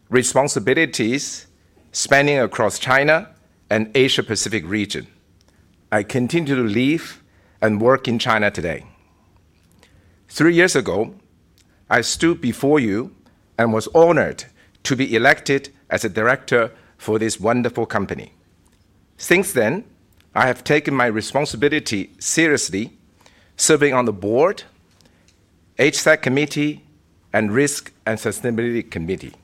responsibilities spanning across China and the Asia Pacific region. I continue to live and work in China today. Three years ago, I stood before you and was honored to be elected as a Director for this wonderful company. Since then, I have taken my responsibility seriously, serving on the Board, HSEC Committee, and Risk and Sustainability Committee.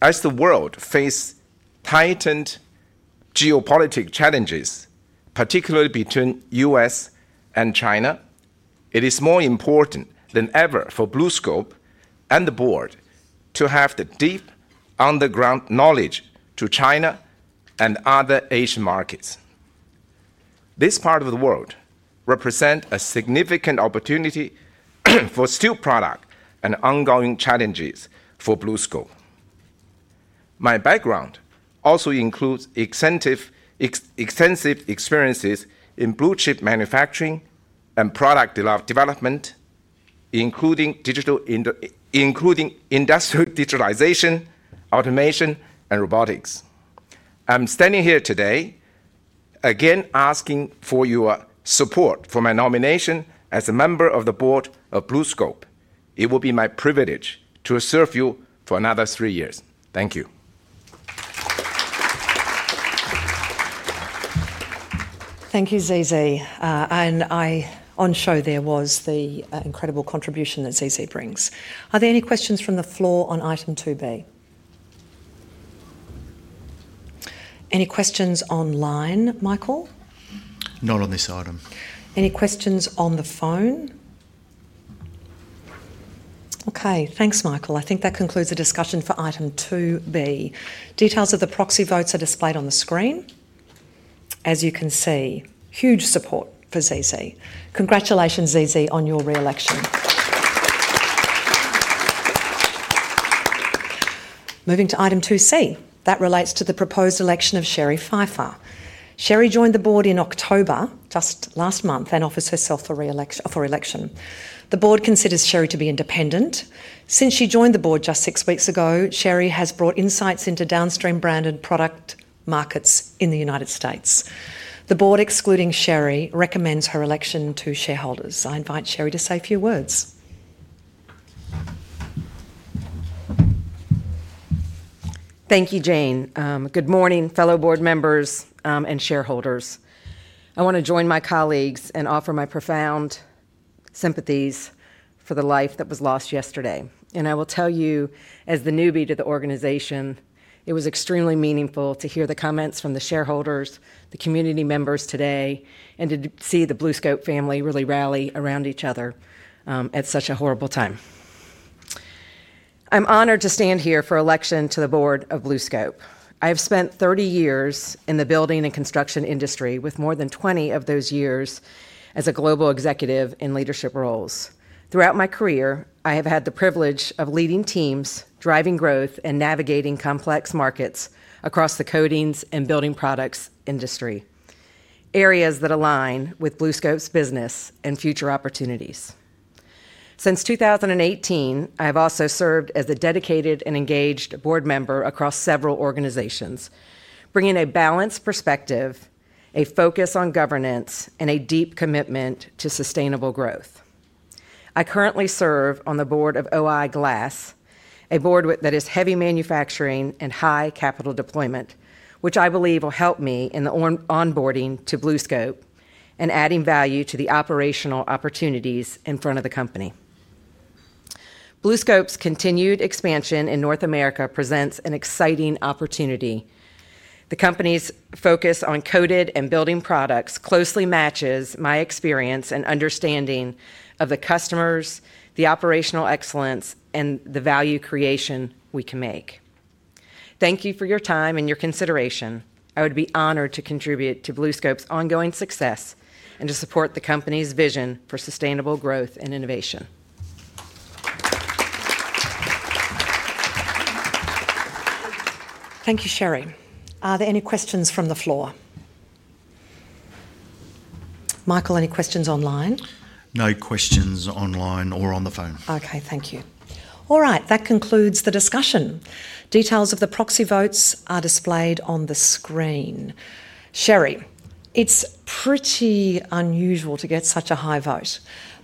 As the world faces heightened geopolitical challenges, particularly between the U.S. and China, it is more important than ever for BlueScope and the Board to have the deep underground knowledge of China and other Asian markets. This part of the world represents a significant opportunity for steel products and ongoing challenges for BlueScope. My background also includes extensive experiences in blue-chip manufacturing and product development, including industrial digitalization, automation, and robotics. I'm standing here today, again, asking for your support for my nomination as a member of the Board of BlueScope. It will be my privilege to serve you for another three years. Thank you. Thank you, ZZ. On show there was the incredible contribution that ZZ brings. Are there any questions from the floor on item two B? Any questions online, Michael? Not on this item. Any questions on the phone? Okay. Thanks, Michael. I think that concludes the discussion for item two B. Details of the proxy votes are displayed on the screen. As you can see, huge support for ZZ. Congratulations, ZZ, on your re-election. Moving to item two C. That relates to the proposed election of Cheri Phyfer. Sherry joined the Board in October just last month and offers herself for re-election. The Board considers Sherry to be independent. Since she joined the Board just six weeks ago, Cheri has brought insights into downstream brand and product markets in the United States. The Board, excluding Cheri, recommends her election to shareholders. I invite Cheri to say a few words. Thank you, Jane. Good morning, fellow Board members and shareholders. I want to join my colleagues and offer my profound sympathies for the life that was lost yesterday. I will tell you, as the newbie to the organization, it was extremely meaningful to hear the comments from the shareholders, the community members today, and to see the BlueScope family really rally around each other at such a horrible time. I'm honored to stand here for election to the Board of BlueScope. I have spent 30 years in the building and construction industry, with more than 20 of those years as a global executive in leadership roles. Throughout my career, I have had the privilege of leading teams, driving growth, and navigating complex markets across the coatings and building products industry, areas that align with BlueScope's business and future opportunities. Since 2018, I have also served as a dedicated and engaged Board member across several organizations, bringing a balanced perspective, a focus on governance, and a deep commitment to sustainable growth. I currently serve on the Board of OI Glass, a Board that is heavy manufacturing and high capital deployment, which I believe will help me in the onboarding to BlueScope and adding value to the operational opportunities in front of the company. BlueScope's continued expansion in North America presents an exciting opportunity. The company's focus on coated and building products closely matches my experience and understanding of the customers, the operational excellence, and the value creation we can make. Thank you for your time and your consideration. I would be honored to contribute to BlueScope's ongoing success and to support the company's vision for sustainable growth and innovation. Thank you, Cheri. Are there any questions from the floor? Michael, any questions online? No questions online or on the phone. Okay. Thank you. All right. That concludes the discussion. Details of the proxy votes are displayed on the screen. Cheri, it's pretty unusual to get such a high vote.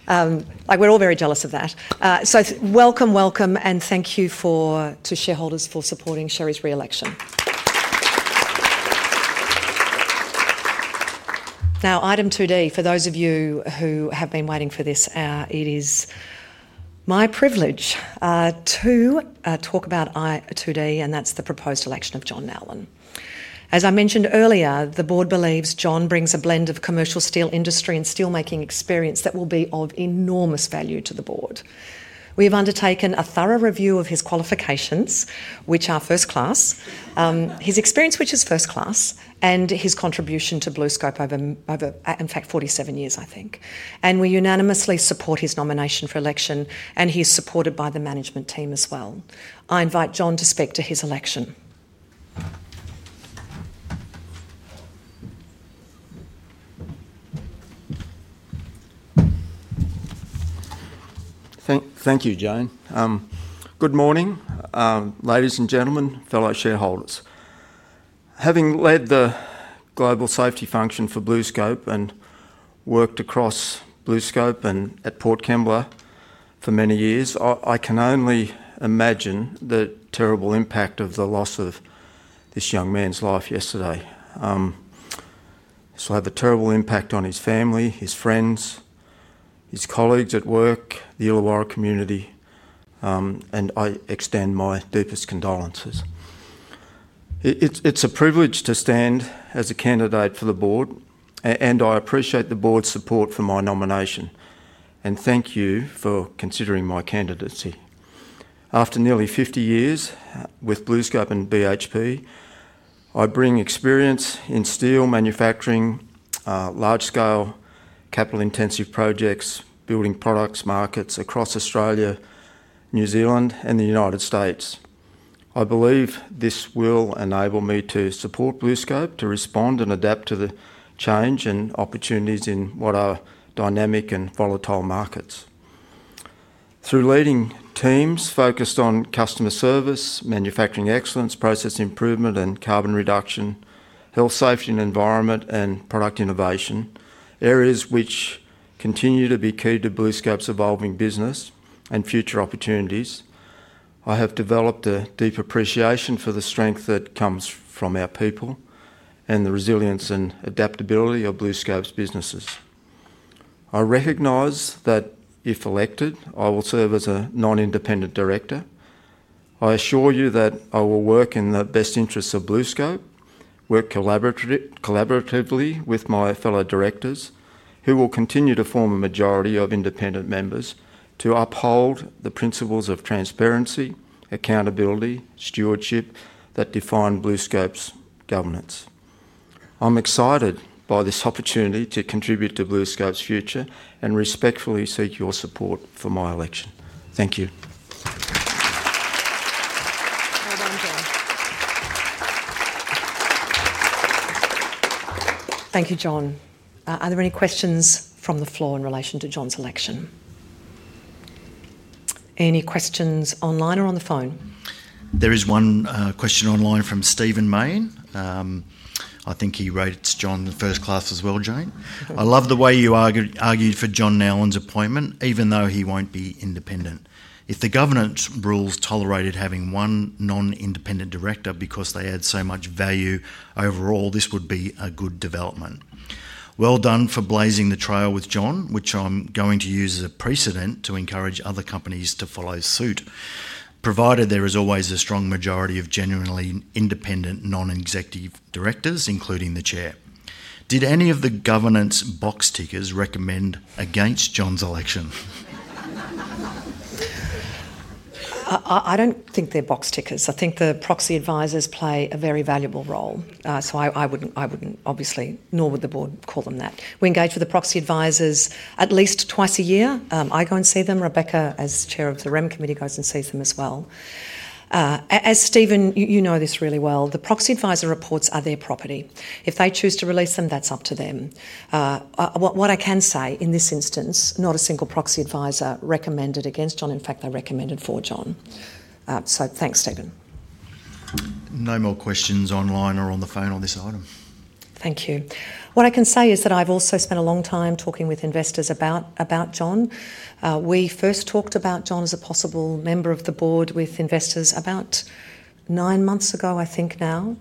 We're all very jealous of that. Welcome, welcome, and thank you to shareholders for supporting Cheri's re-election. Now, item two D, for those of you who have been waiting for this, it is my privilege to talk about item two D, and that's the proposed election of John Nowlan. As I mentioned earlier, the Board believes John brings a blend of commercial steel industry and steelmaking experience that will be of enormous value to the Board. We have undertaken a thorough review of his qualifications, which are first-class, his experience, which is first-class, and his contribution to BlueScope over, in fact, 47 years, I think. We unanimously support his nomination for election, and he is supported by the management team as well. I invite John to speak to his election. Thank you, Jane. Good morning, ladies and gentlemen, fellow shareholders. Having led the global safety function for BlueScope and worked across BlueScope and at Port Kembla for many years, I can only imagine the terrible impact of the loss of this young man's life yesterday. This will have a terrible impact on his family, his friends, his colleagues at work, the Illawarra community, and I extend my deepest condolences. It's a privilege to stand as a candidate for the Board, and I appreciate the Board's support for my nomination. Thank you for considering my candidacy. After nearly 50 years with BlueScope and BHP, I bring experience in steel manufacturing, large-scale, capital-intensive projects, building products, markets across Australia, New Zealand, and the United States. I believe this will enable me to support BlueScope, to respond and adapt to the change and opportunities in what are dynamic and volatile markets. Through leading teams focused on customer service, manufacturing excellence, process improvement and carbon reduction, health, safety, and environment, and product innovation, areas which continue to be key to BlueScope's evolving business and future opportunities, I have developed a deep appreciation for the strength that comes from our people and the resilience and adaptability of BlueScope's businesses. I recognize that if elected, I will serve as a Non-Independent Director. I assure you that I will work in the best interests of BlueScope, work collaboratively with my fellow Directors, who will continue to form a majority of independent members to uphold the principles of transparency, accountability, and stewardship that define BlueScope's governance. I'm excited by this opportunity to contribute to BlueScope's future and respectfully seek your support for my election. Thank you. Well done, John. Thank you, John. Are there any questions from the floor in relation to John's election? Any questions online or on the phone? There is one question online from Steven Main. I think he wrote it to John first class as well, Jane. I love the way you argued for John Nowlan's appointment, even though he won't be independent. If the governance rules tolerated having one Non-Independent Director because they add so much value overall, this would be a good development. Well done for blazing the trail with John, which I'm going to use as a precedent to encourage other companies to follow suit, provided there is always a strong majority of genuinely Independent Non-Executive Directors, including the Chair. Did any of the governance box tickers recommend against John's election? I don't think they're box tickers. I think the proxy advisors play a very valuable role. I wouldn't, obviously, nor would the Board call them that. We engage with the proxy advisors at least twice a year. I go and see them. Rebecca, as Chair of the Rem Committee, goes and sees them as well. As Steven, you know this really well, the proxy advisor reports are their property. If they choose to release them, that's up to them. What I can say in this instance, not a single proxy advisor recommended against John. In fact, they recommended for John. Thanks, Steven. No more questions online or on the phone on this item. Thank you. What I can say is that I've also spent a long time talking with investors about John. We first talked about John as a possible member of the Board with investors about nine months ago, I think now.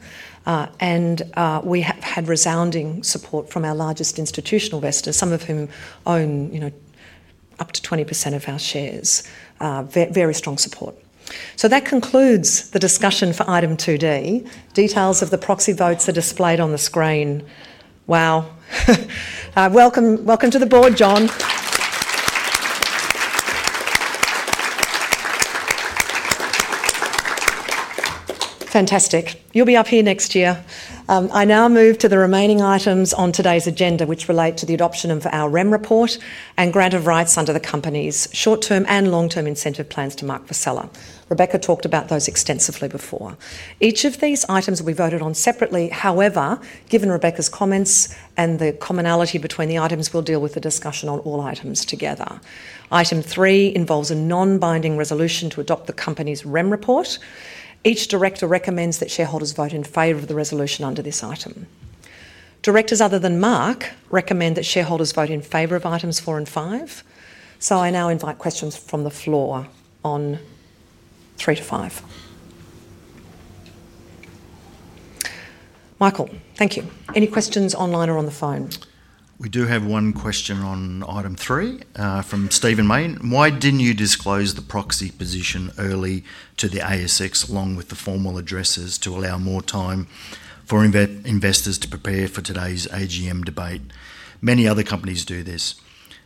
We have had resounding support from our largest institutional investors, some of whom own up to 20% of our shares. Very strong support. That concludes the discussion for item two D. Details of the proxy votes are displayed on the screen. Wow. Welcome to the Board, John. Fantastic. You'll be up here next year. I now move to the remaining items on today's agenda, which relate to the adoption of our REM report and grant of rights under the company's short-term and long-term incentive plans to Mark Vassella. Rebecca talked about those extensively before. Each of these items will be voted on separately. However, given Rebecca's comments and the commonality between the items, we'll deal with the discussion on all items together. Item three involves a non-binding resolution to adopt the company's REM report. Each Director recommends that shareholders vote in favor of the resolution under this item. Directors other than Mark recommend that shareholders vote in favor of items four and five. I now invite questions from the floor on 3-5. Michael, thank you. Any questions online or on the phone? We do have one question on item three from Steven Main. Why did not you disclose the proxy position early to the ASX, along with the formal addresses, to allow more time for investors to prepare for today's AGM debate? Many other companies do this.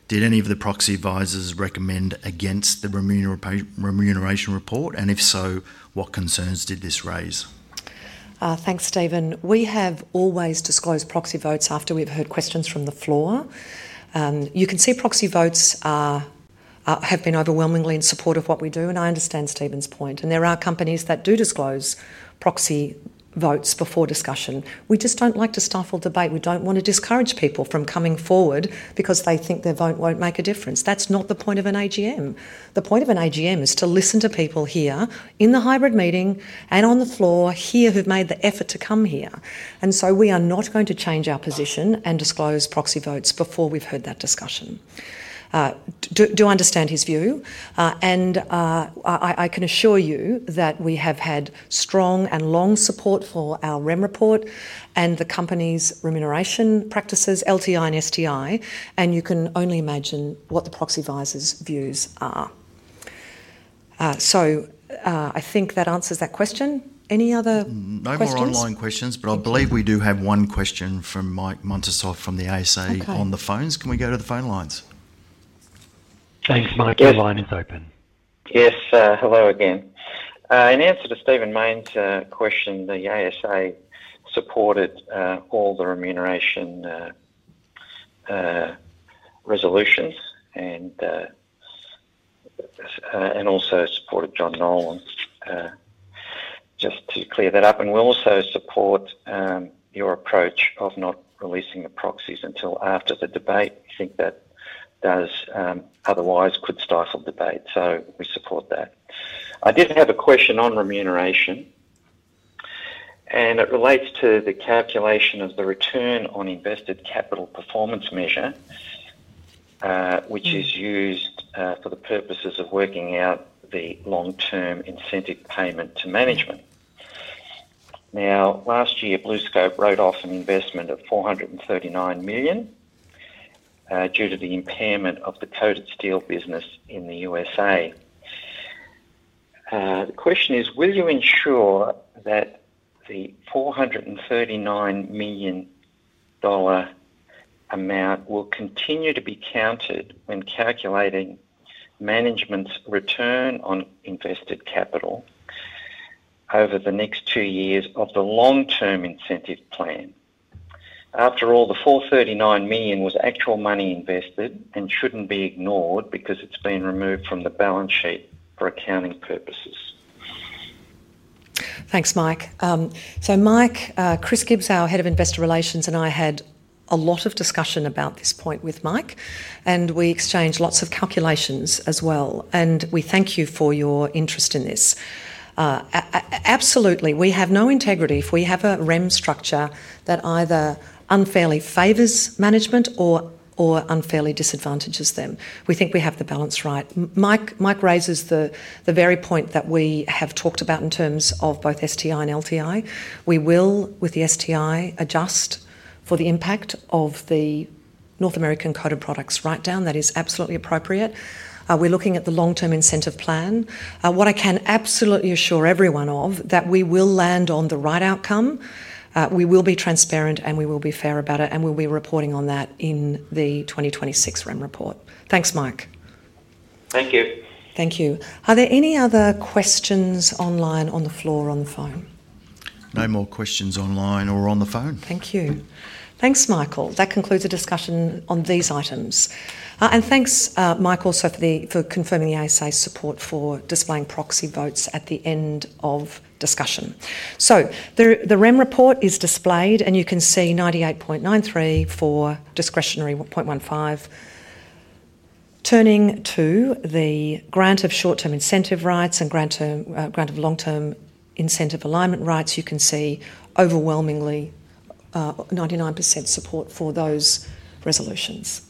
Did any of the proxy advisors recommend against the remuneration report? And if so, what concerns did this raise? Thanks, Steven. We have always disclosed proxy votes after we've heard questions from the floor. You can see proxy votes have been overwhelmingly in support of what we do. I understand Steven's point. There are companies that do disclose proxy votes before discussion. We just do not like to stifle debate. We do not want to discourage people from coming forward because they think their vote will not make a difference. That is not the point of an AGM. The point of an AGM is to listen to people here in the hybrid meeting and on the floor here who have made the effort to come here. We are not going to change our position and disclose proxy votes before we have heard that discussion. Do I understand his view? I can assure you that we have had strong and long support for our REM report and the company's remuneration practices, LTI and STI. You can only imagine what the proxy advisors' views are. I think that answers that question. Any other questions? No more online questions. I believe we do have one question from Mike Muntisov from the ASA on the phones. Can we go to the phone lines? Thanks, Mike. The line is open. Yes. Hello again. In answer to Steven Main's question, the ASA supported all the remuneration resolutions and also supported John Nowlan. Just to clear that up. We also support your approach of not releasing the proxies until after the debate. We think that otherwise could stifle debate. We support that. I did have a question on remuneration. It relates to the calculation of the return on invested capital performance measure, which is used for the purposes of working out the long-term incentive payment to management. Last year, BlueScope wrote off an investment of 439 million due to the impairment of the coated steel business in the U.S.A. The question is, will you ensure that the 439 million dollar amount will continue to be counted when calculating management's return on invested capital over the next two years of the long-term incentive plan? After all, the 439 million was actual money invested and should not be ignored because it has been removed from the balance sheet for accounting purposes. Thanks, Mike. Mike, Chris Gibbs, our Head of Investor Relations, and I had a lot of discussion about this point with Mike. We exchanged lots of calculations as well. We thank you for your interest in this. Absolutely. We have no integrity if we have a REM structure that either unfairly favors management or unfairly disadvantages them. We think we have the balance right. Mike raises the very point that we have talked about in terms of both STI and LTI. We will, with the STI, adjust for the impact of the North American coated products write-down. That is absolutely appropriate. We're looking at the long-term incentive plan. What I can absolutely assure everyone of is that we will land on the right outcome. We will be transparent, and we will be fair about it. We'll be reporting on that in the 2026 REM report. Thanks, Mike. Thank you. Thank you. Are there any other questions online, on the floor, or on the phone? No more questions online or on the phone. Thank you. Thanks, Michael. That concludes the discussion on these items. Thank you, Mike, also for confirming the ASA support for displaying proxy votes at the end of discussion. The REM report is displayed, and you can see 98.93% for, discretionary 1.15%. Turning to the grant of short-term incentive rights and grant of long-term incentive alignment rights, you can see overwhelmingly 99% support for those resolutions.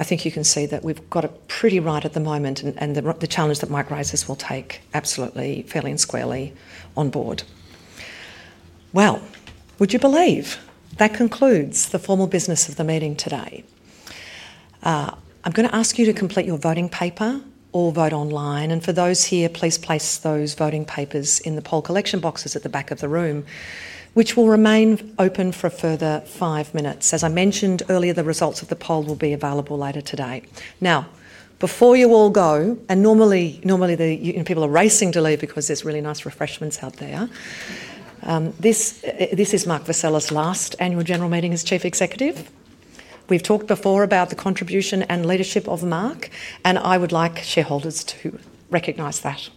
I think you can see that we've got it pretty right at the moment, and the challenge that Mike raises will take absolutely fairly and squarely on board. Would you believe that concludes the formal business of the meeting today? I'm going to ask you to complete your voting paper or vote online. For those here, please place those voting papers in the poll collection boxes at the back of the room, which will remain open for a further five minutes. As I mentioned earlier, the results of the poll will be available later today. Now, before you all go, and normally people are racing to leave because there are really nice refreshments out there, this is Mark Vassella's last annual general meeting as Chief Executive. We have talked before about the contribution and leadership of Mark, and I would like shareholders to recognize that.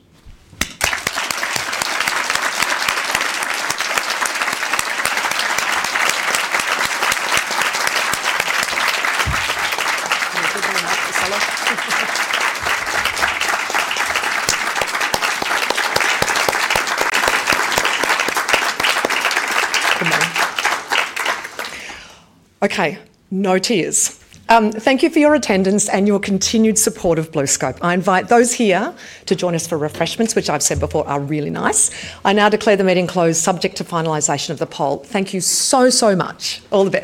Okay. No tears. Thank you for your attendance and your continued support of BlueScope. I invite those here to join us for refreshments, which I have said before are really nice. I now declare the meeting closed, subject to finalization of the poll. Thank you so, so much. All the best.